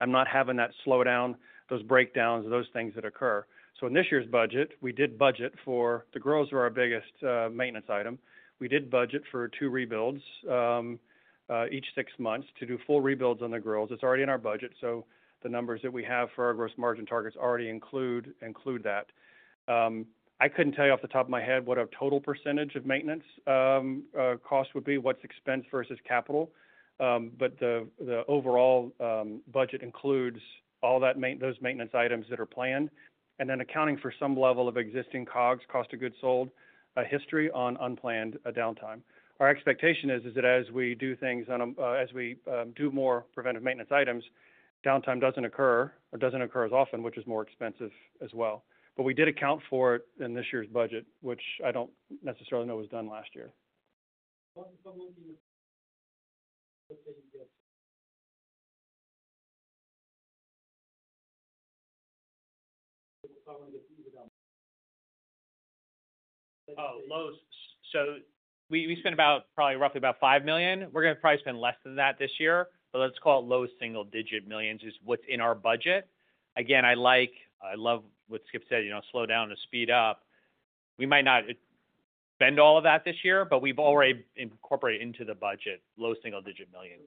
I'm not having that slow down, those breakdowns, those things that occur. So in this year's budget, we did budget for the grills, as our biggest maintenance item. We did budget for two rebuilds, each six months to do full rebuilds on the grills. It's already in our budget. So the numbers that we have for our gross margin targets already include that. I couldn't tell you off the top of my head what a total percentage of maintenance cost would be, what's expense versus capital. But the overall budget includes all that maintenance, those maintenance items that are planned and then accounting for some level of existing COGS, cost of goods sold, history on unplanned downtime. Our expectation is that as we do more preventive maintenance items, downtime doesn't occur or doesn't occur as often, which is more expensive as well. But we did account for it in this year's budget, which I don't necessarily know was done last year. Oh, low. So we spent about $5 million. We're going to probably spend less than that this year, but let's call it low single-digit millions is what's in our budget. Again, I like, I love what Skip said, you know, slow down to speed up. We might not spend all of that this year, but we've already incorporated into the budget low single digit millions.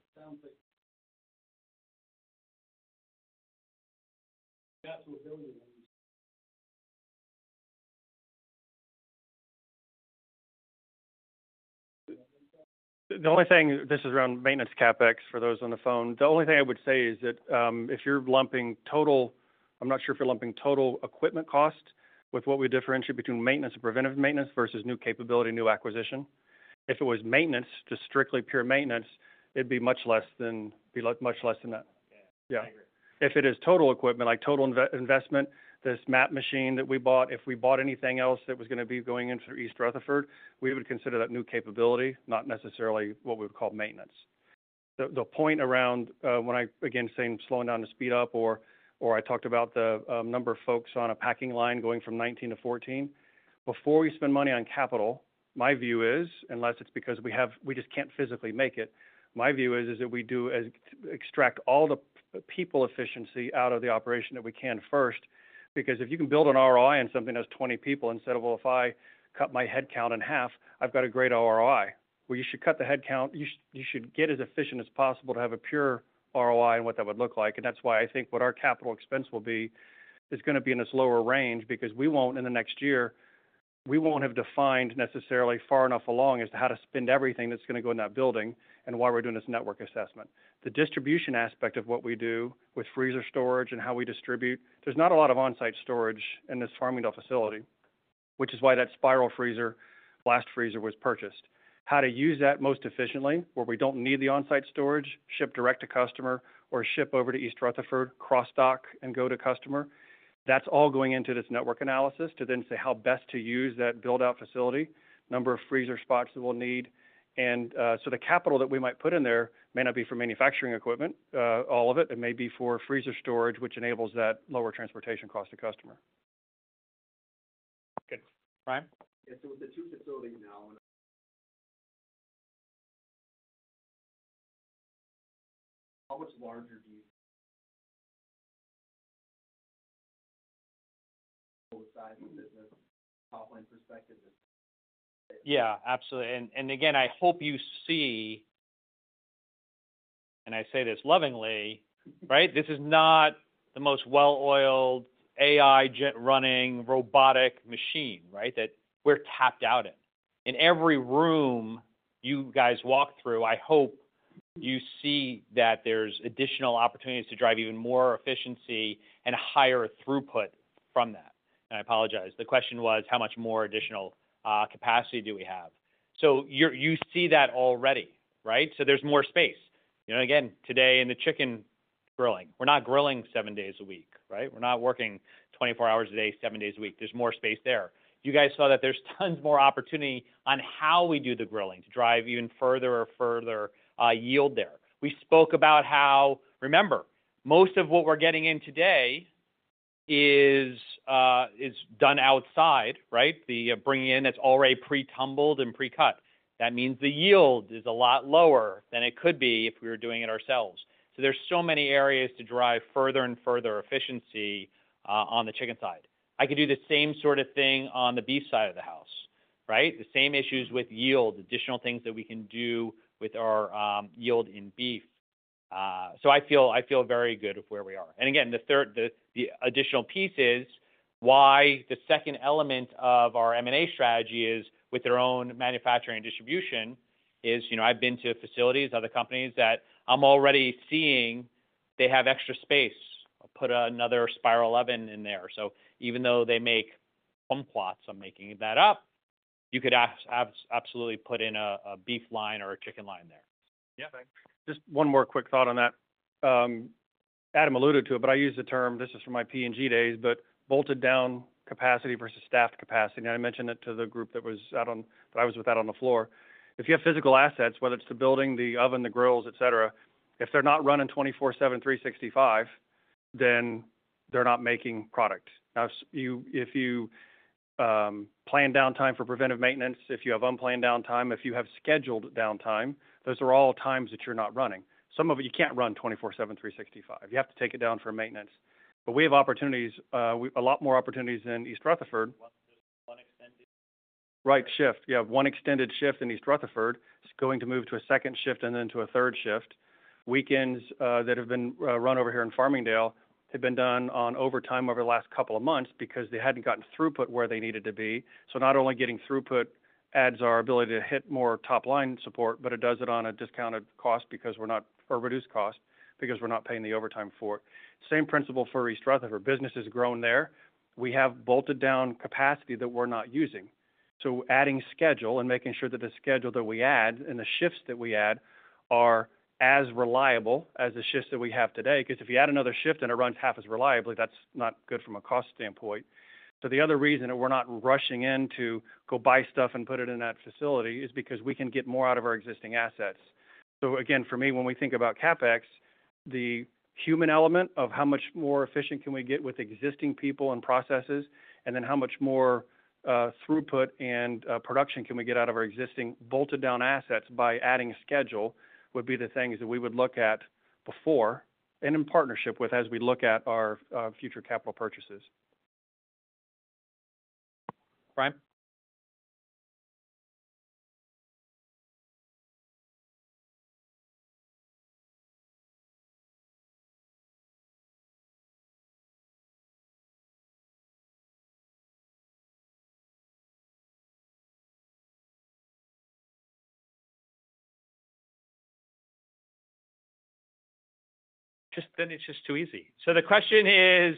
The only thing, this is around maintenance CapEx for those on the phone. The only thing I would say is that, if you're lumping total equipment cost with what we differentiate between maintenance and preventive maintenance versus new capability, new acquisition. If it was maintenance, just strictly pure maintenance, it'd be much less than that. Yeah. If it is total equipment, like total investment, this MAP machine that we bought, if we bought anything else that was going to be going into East Rutherford, we would consider that new capability, not necessarily what we would call maintenance. The point around when I again saying slowing down to speed up or I talked about the number of folks on a packing line going from 19 to 14, before we spend money on capital, my view is, unless it's because we have we just can't physically make it, my view is that we do extract all the people efficiency out of the operation that we can first, because if you can build an ROI on something that's 20 people instead of, well, if I cut my headcount in half, I've got a great ROI. Well, you should cut the headcount. You should get as efficient as possible to have a pure ROI and what that would look like. And that's why I think what our CapEx will be is going to be in a slower range because we won't in the next year, we won't have defined necessarily far enough along as to how to spend everything that's going to go in that building and why we're doing this network assessment. The distribution aspect of what we do with freezer storage and how we distribute, there's not a lot of onsite storage in this Farmingdale facility, which is why that spiral freezer, blast freezer was purchased. How to use that most efficiently, where we don't need the onsite storage, ship direct to customer or ship over to East Rutherford, cross dock and go to customer. That's all going into this network analysis to then say how best to use that build-out facility, number of freezer spots that we'll need. So the capital that we might put in there may not be for manufacturing equipment, all of it. It may be for freezer storage, which enables that lower transportation cost to customer. Good. Brian? Yeah. With the two facilities now, how much larger do you see the size of the business from an overall perspective? Yeah, absolutely. And again, I hope you see, and I say this lovingly, right? This is not the most well-oiled AI running robotic machine, right? That we're tapped out in. In every room you guys walk through, I hope you see that there's additional opportunities to drive even more efficiency and a higher throughput from that. And I apologize. The question was how much more additional capacity do we have? So you see that already, right? So there's more space. You know, again, today in the chicken grilling, we're not grilling seven days a week, right? We're not working 24 hours a day, seven days a week. There's more space there. You guys saw that there's tons more opportunity on how we do the grilling to drive even further or further yield there. We spoke about how, remember, most of what we're getting in today is done outside, right? Bringing in that's already pre-tumbled and pre-cut. That means the yield is a lot lower than it could be if we were doing it ourselves. So there's so many areas to drive further and further efficiency on the chicken side. I could do the same sort of thing on the beef side of the house, right? The same issues with yield, additional things that we can do with our yield in beef. So I feel very good with where we are. And again, the third, the additional piece is why the second element of our M&A strategy is with their own manufacturing and distribution is, you know, I've been to facilities, other companies that I'm already seeing they have extra space. I'll put another spiral oven in there. So even though they make plum plots, I'm making that up, you could absolutely put in a beef line or a chicken line there. Yeah. Just one more quick thought on that. Adam alluded to it, but I use the term, this is from my P&G days, but bolted down capacity versus staffed capacity. And I mentioned it to the group that was out on the floor that I was with. If you have physical assets, whether it's the building, the oven, the grills, et cetera, if they're not running 24/7, 365, then they're not making product. Now, if you planned downtime for preventive maintenance, if you have unplanned downtime, if you have scheduled downtime, those are all times that you're not running. Some of it you can't run 24/7, 365. You have to take it down for maintenance. But we have opportunities, we have a lot more opportunities in East Rutherford. Right shift. You have one extended shift in East Rutherford. It's going to move to a second shift and then to a third shift. Weekends that have been run over here in Farmingdale have been done on overtime over the last couple of months because they hadn't gotten throughput where they needed to be. So not only getting throughput adds our ability to hit more top line support, but it does it on a discounted cost because we're not, or reduced cost because we're not paying the overtime for it. Same principle for East Rutherford. Business has grown there. We have bolted down capacity that we're not using. So adding schedule and making sure that the schedule that we add and the shifts that we add are as reliable as the shifts that we have today. Because if you add another shift and it runs half as reliably, that's not good from a cost standpoint. So the other reason that we're not rushing in to go buy stuff and put it in that facility is because we can get more out of our existing assets. So again, for me, when we think about CapEx, the human element of how much more efficient can we get with existing people and processes, and then how much more throughput and production can we get out of our existing bolted down assets by adding schedule would be the things that we would look at before and in partnership with as we look at our future capital purchases. Brian? Just then it's just too easy. So the question is,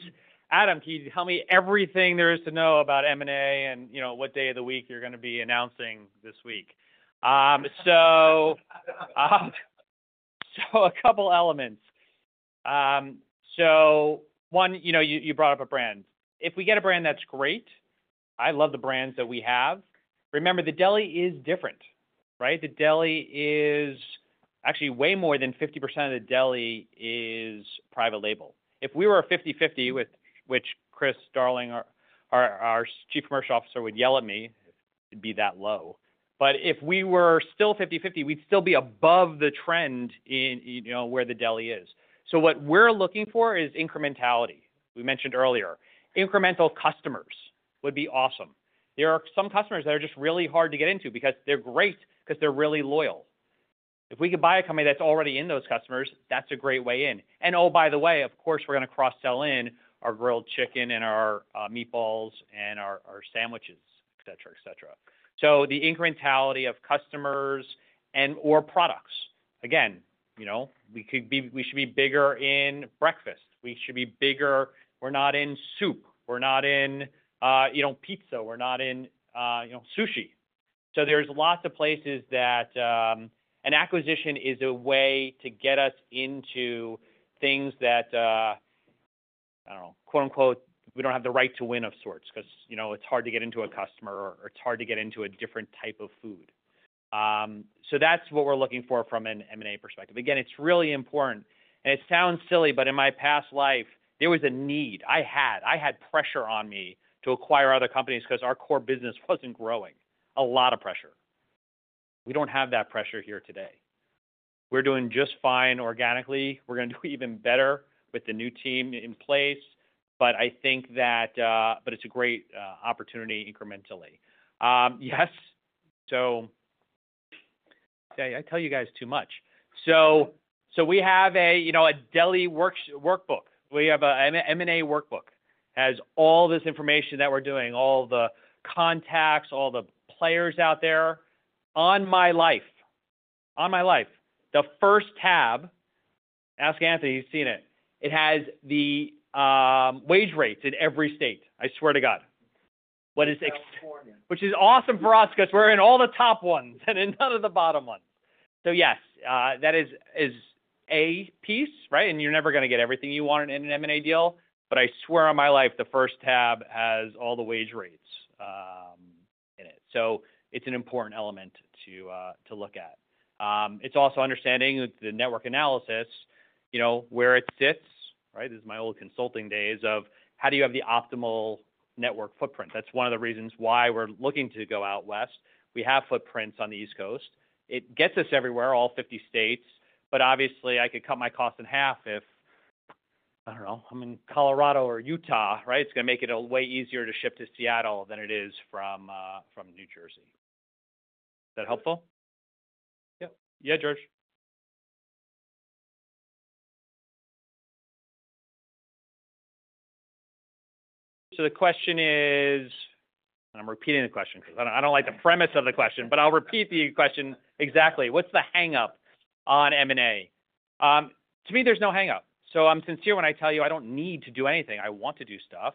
Adam, can you tell me everything there is to know about M&A and, you know, what day of the week you're going to be announcing this week? So a couple elements. So one, you know, you brought up a brand. If we get a brand, that's great. I love the brands that we have. Remember, the deli is different, right? The deli is actually way more than 50% of the deli is private label. If we were 50/50, which Chris Darling, our Chief Commercial Officer, would yell at me, it'd be that low. But if we were still 50/50, we'd still be above the trend in, you know, where the deli is. So what we're looking for is incrementality. We mentioned earlier, incremental customers would be awesome. There are some customers that are just really hard to get into because they're great, because they're really loyal. If we could buy a company that's already in those customers, that's a great way in, and oh, by the way, of course, we're going to cross-sell in our grilled chicken and our meatballs and our sandwiches, et cetera, et cetera. So the incrementality of customers and/or products, again, you know, we could be, we should be bigger in breakfast. We should be bigger. We're not in soup. We're not in, you know, pizza. We're not in, you know, sushi. So there's lots of places that, an acquisition is a way to get us into things that, I don't know, quote unquote, we don't have the right to win of sorts because, you know, it's hard to get into a customer or it's hard to get into a different type of food. So that's what we're looking for from an M&A perspective. Again, it's really important, and it sounds silly, but in my past life, there was a need. I had, I had pressure on me to acquire other companies because our core business wasn't growing. A lot of pressure. We don't have that pressure here today. We're doing just fine organically. We're going to do even better with the new team in place. But I think that, but it's a great opportunity incrementally. Yes. So yeah, I tell you guys too much. So we have a, you know, a deli workshop workbook. We have an M&A workbook. It has all this information that we're doing, all the contacts, all the players out there. On my life, on my life, the first tab, ask Anthony, he's seen it. It has the wage rates in every state. I swear to God. Wage index, which is awesome for us because we're in all the top ones and in none of the bottom ones. So yes, that is a piece, right? And you're never going to get everything you want in an M&A deal. But I swear on my life, the first tab has all the wage rates in it. So it's an important element to look at. It's also understanding the network analysis, you know, where it sits, right? This is my old consulting days of how do you have the optimal network footprint? That's one of the reasons why we're looking to go out west. We have footprints on the East Coast. It gets us everywhere, all 50 states. But obviously, I could cut my cost in half if, I don't know, I'm in Colorado or Utah, right? It's going to make it a way easier to ship to Seattle than it is from New Jersey. Is that helpful? Yep. Yeah, George. So the question is, and I'm repeating the question because I don't like the premise of the question, but I'll repeat the question exactly. What's the hangup on M&A? To me, there's no hangup. So I'm sincere when I tell you I don't need to do anything. I want to do stuff.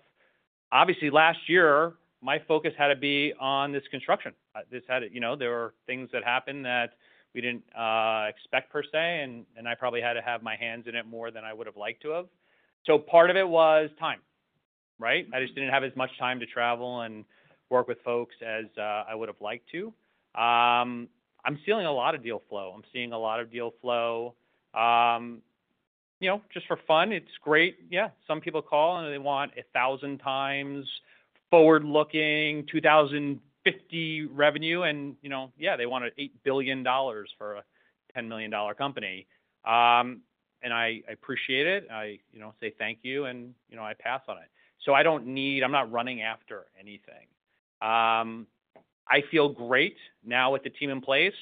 Obviously, last year, my focus had to be on this construction. This had, you know, there were things that happened that we didn't expect per se. And I probably had to have my hands in it more than I would have liked to have. So part of it was time, right? I just didn't have as much time to travel and work with folks as I would have liked to. I'm seeing a lot of deal flow. I'm seeing a lot of deal flow. You know, just for fun, it's great. Yeah. Some people call and they want a thousand times forward looking 2050 revenue. And, you know, yeah, they wanted $8 billion for a $10 million company. And I, I appreciate it. I, you know, say thank you and, you know, I pass on it. So I don't need. I'm not running after anything. I feel great now with the team in place.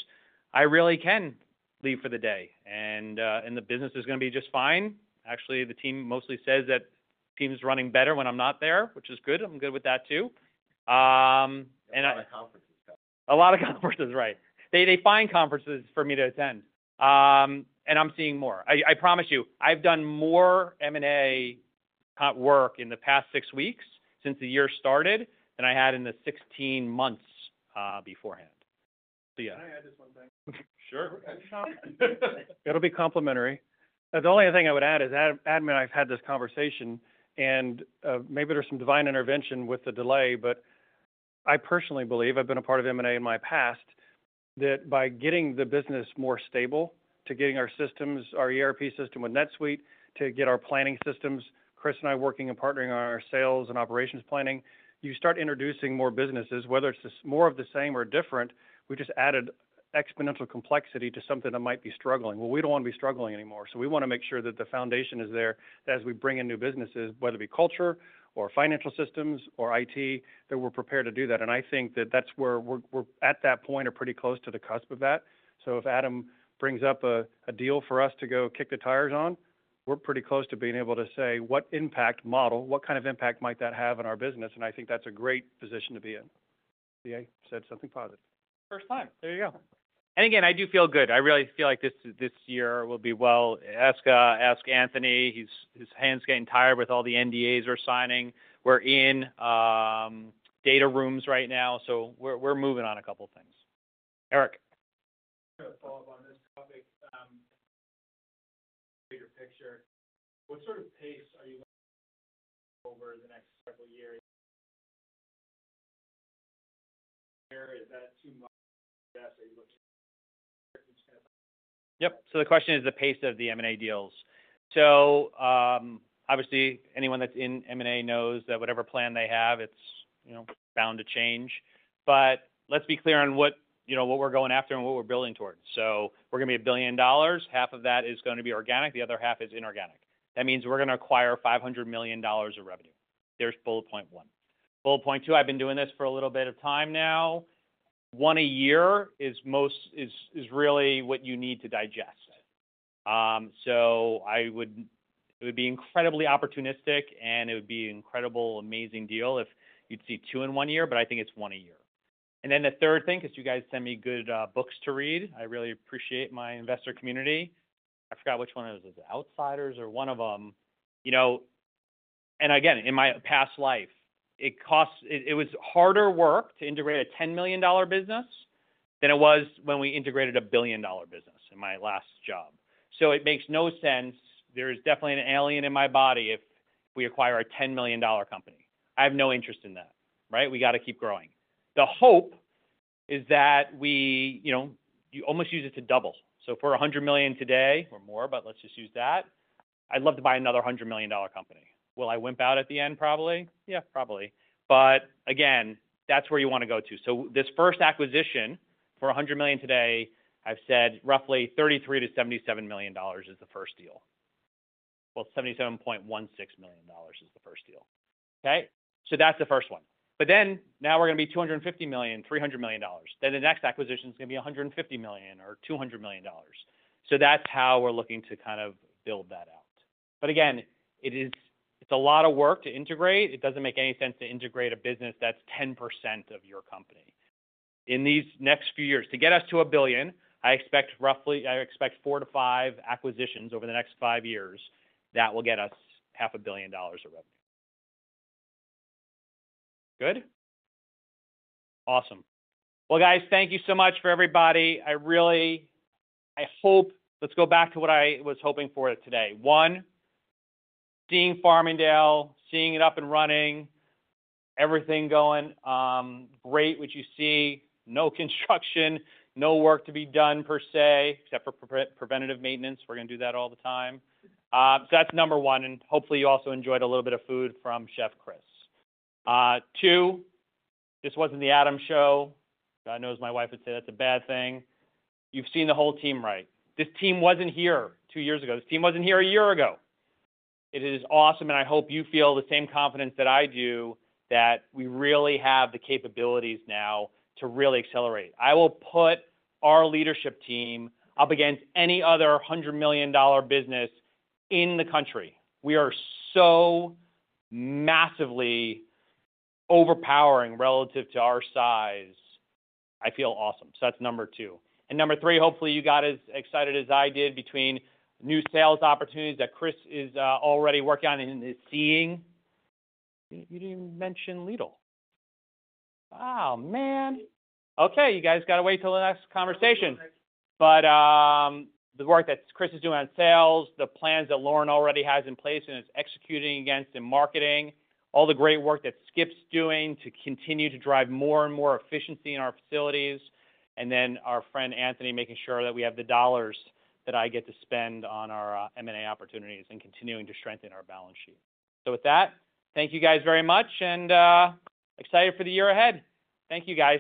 I really can leave for the day and the business is going to be just fine. Actually, the team mostly says that team's running better when I'm not there, which is good. I'm good with that too. And I attend a lot of conferences. A lot of conferences, right? They find conferences for me to attend. And I'm seeing more. I promise you I've done more M&A work in the past six weeks since the year started than I had in the 16 months beforehand. So yeah. Can I add just one thing? Sure. It'll be complimentary. The only thing I would add is Adam, and I've had this conversation and, maybe there's some divine intervention with the delay, but I personally believe I've been a part of M&A in my past that by getting the business more stable, to getting our systems, our ERP system with NetSuite, to get our planning systems, Chris and I working and partnering on our sales and operations planning, you start introducing more businesses, whether it's more of the same or different. We just added exponential complexity to something that might be struggling, well, we don't want to be struggling anymore, so we want to make sure that the foundation is there that as we bring in new businesses, whether it be culture or financial systems or IT, that we're prepared to do that. I think that that's where we're at that point. We're pretty close to the cusp of that. So if Adam brings up a deal for us to go kick the tires on, we're pretty close to being able to say what impact model, what kind of impact might that have on our business? And I think that's a great position to be in. Yeah. Said something positive. First time. There you go. And again, I do feel good. I really feel like this year will be well. Ask Anthony. His hands getting tired with all the NDAs we're signing. We're in data rooms right now. So we're moving on a couple of things. Eric. I've got a follow-up on this topic. Bigger picture. What sort of pace are you over the next several years? Is that too much? Yes. Are you looking? Yep. So, the question is the pace of the M&A deals. Obviously, anyone that's in M&A knows that whatever plan they have, it's, you know, bound to change. But let's be clear on what, you know, what we're going after and what we're building towards. So we're going to be $1 billion. Half of that is going to be organic. The other half is inorganic. That means we're going to acquire $500 million of revenue. There's bullet point one. Bullet point two, I've been doing this for a little bit of time now. One a year is most, really what you need to digest. So I would, it would be incredibly opportunistic and it would be an incredible, amazing deal if you'd see two in one year, but I think it's one a year. And then the third thing, because you guys send me good books to read. I really appreciate my investor community. I forgot which one of those is it, Outsiders or one of them, you know. And again, in my past life, it cost, it was harder work to integrate a $10 million business than it was when we integrated a $1 billion business in my last job. So it makes no sense. There is definitely an alien in my body if we acquire a $10 million company. I have no interest in that, right? We got to keep growing. The hope is that we, you know, you almost use it to double. So for $100 million today or more, but let's just use that. I'd love to buy another $100 million company. Will I wimp out at the end? Probably. Yeah, probably. But again, that's where you want to go to. So this first acquisition for $100 million today, I've said roughly $33-$77 million is the first deal. Well, $77.16 million is the first deal. Okay. So that's the first one. But then now we're going to be $250-$300 million. Then the next acquisition is going to be $150 million or $200 million. So that's how we're looking to kind of build that out. But again, it is, it's a lot of work to integrate. It doesn't make any sense to integrate a business that's 10% of your company in these next few years. To get us to $1 billion, I expect roughly, I expect four to five acquisitions over the next five years that will get us $500 million of revenue. Good. Awesome. Well, guys, thank you so much for everybody. I really hope let's go back to what I was hoping for today. One, seeing Farmingdale, seeing it up and running, everything going, great what you see. No construction, no work to be done per se, except for preventive maintenance. We're going to do that all the time. So that's number one, and hopefully you also enjoyed a little bit of food from Chef Chris. Two, this wasn't the Adam show. God knows, my wife would say that's a bad thing. You've seen the whole team, right? This team wasn't here two years ago. This team wasn't here a year ago. It is awesome, and I hope you feel the same confidence that I do, that we really have the capabilities now to really accelerate. I will put our leadership team up against any other $100 million business in the country. We are so massively overpowering relative to our size. I feel awesome. So that's number two. And number three, hopefully you got as excited as I did between new sales opportunities that Chris is already working on and is seeing. You didn't even mention Lidl. Oh, man. Okay. You guys got to wait till the next conversation. But the work that Chris is doing on sales, the plans that Lauren already has in place and is executing against in marketing, all the great work that Skip's doing to continue to drive more and more efficiency in our facilities. And then our friend Anthony making sure that we have the dollars that I get to spend on our M&A opportunities and continuing to strengthen our balance sheet. So with that, thank you guys very much, and excited for the year ahead. Thank you guys.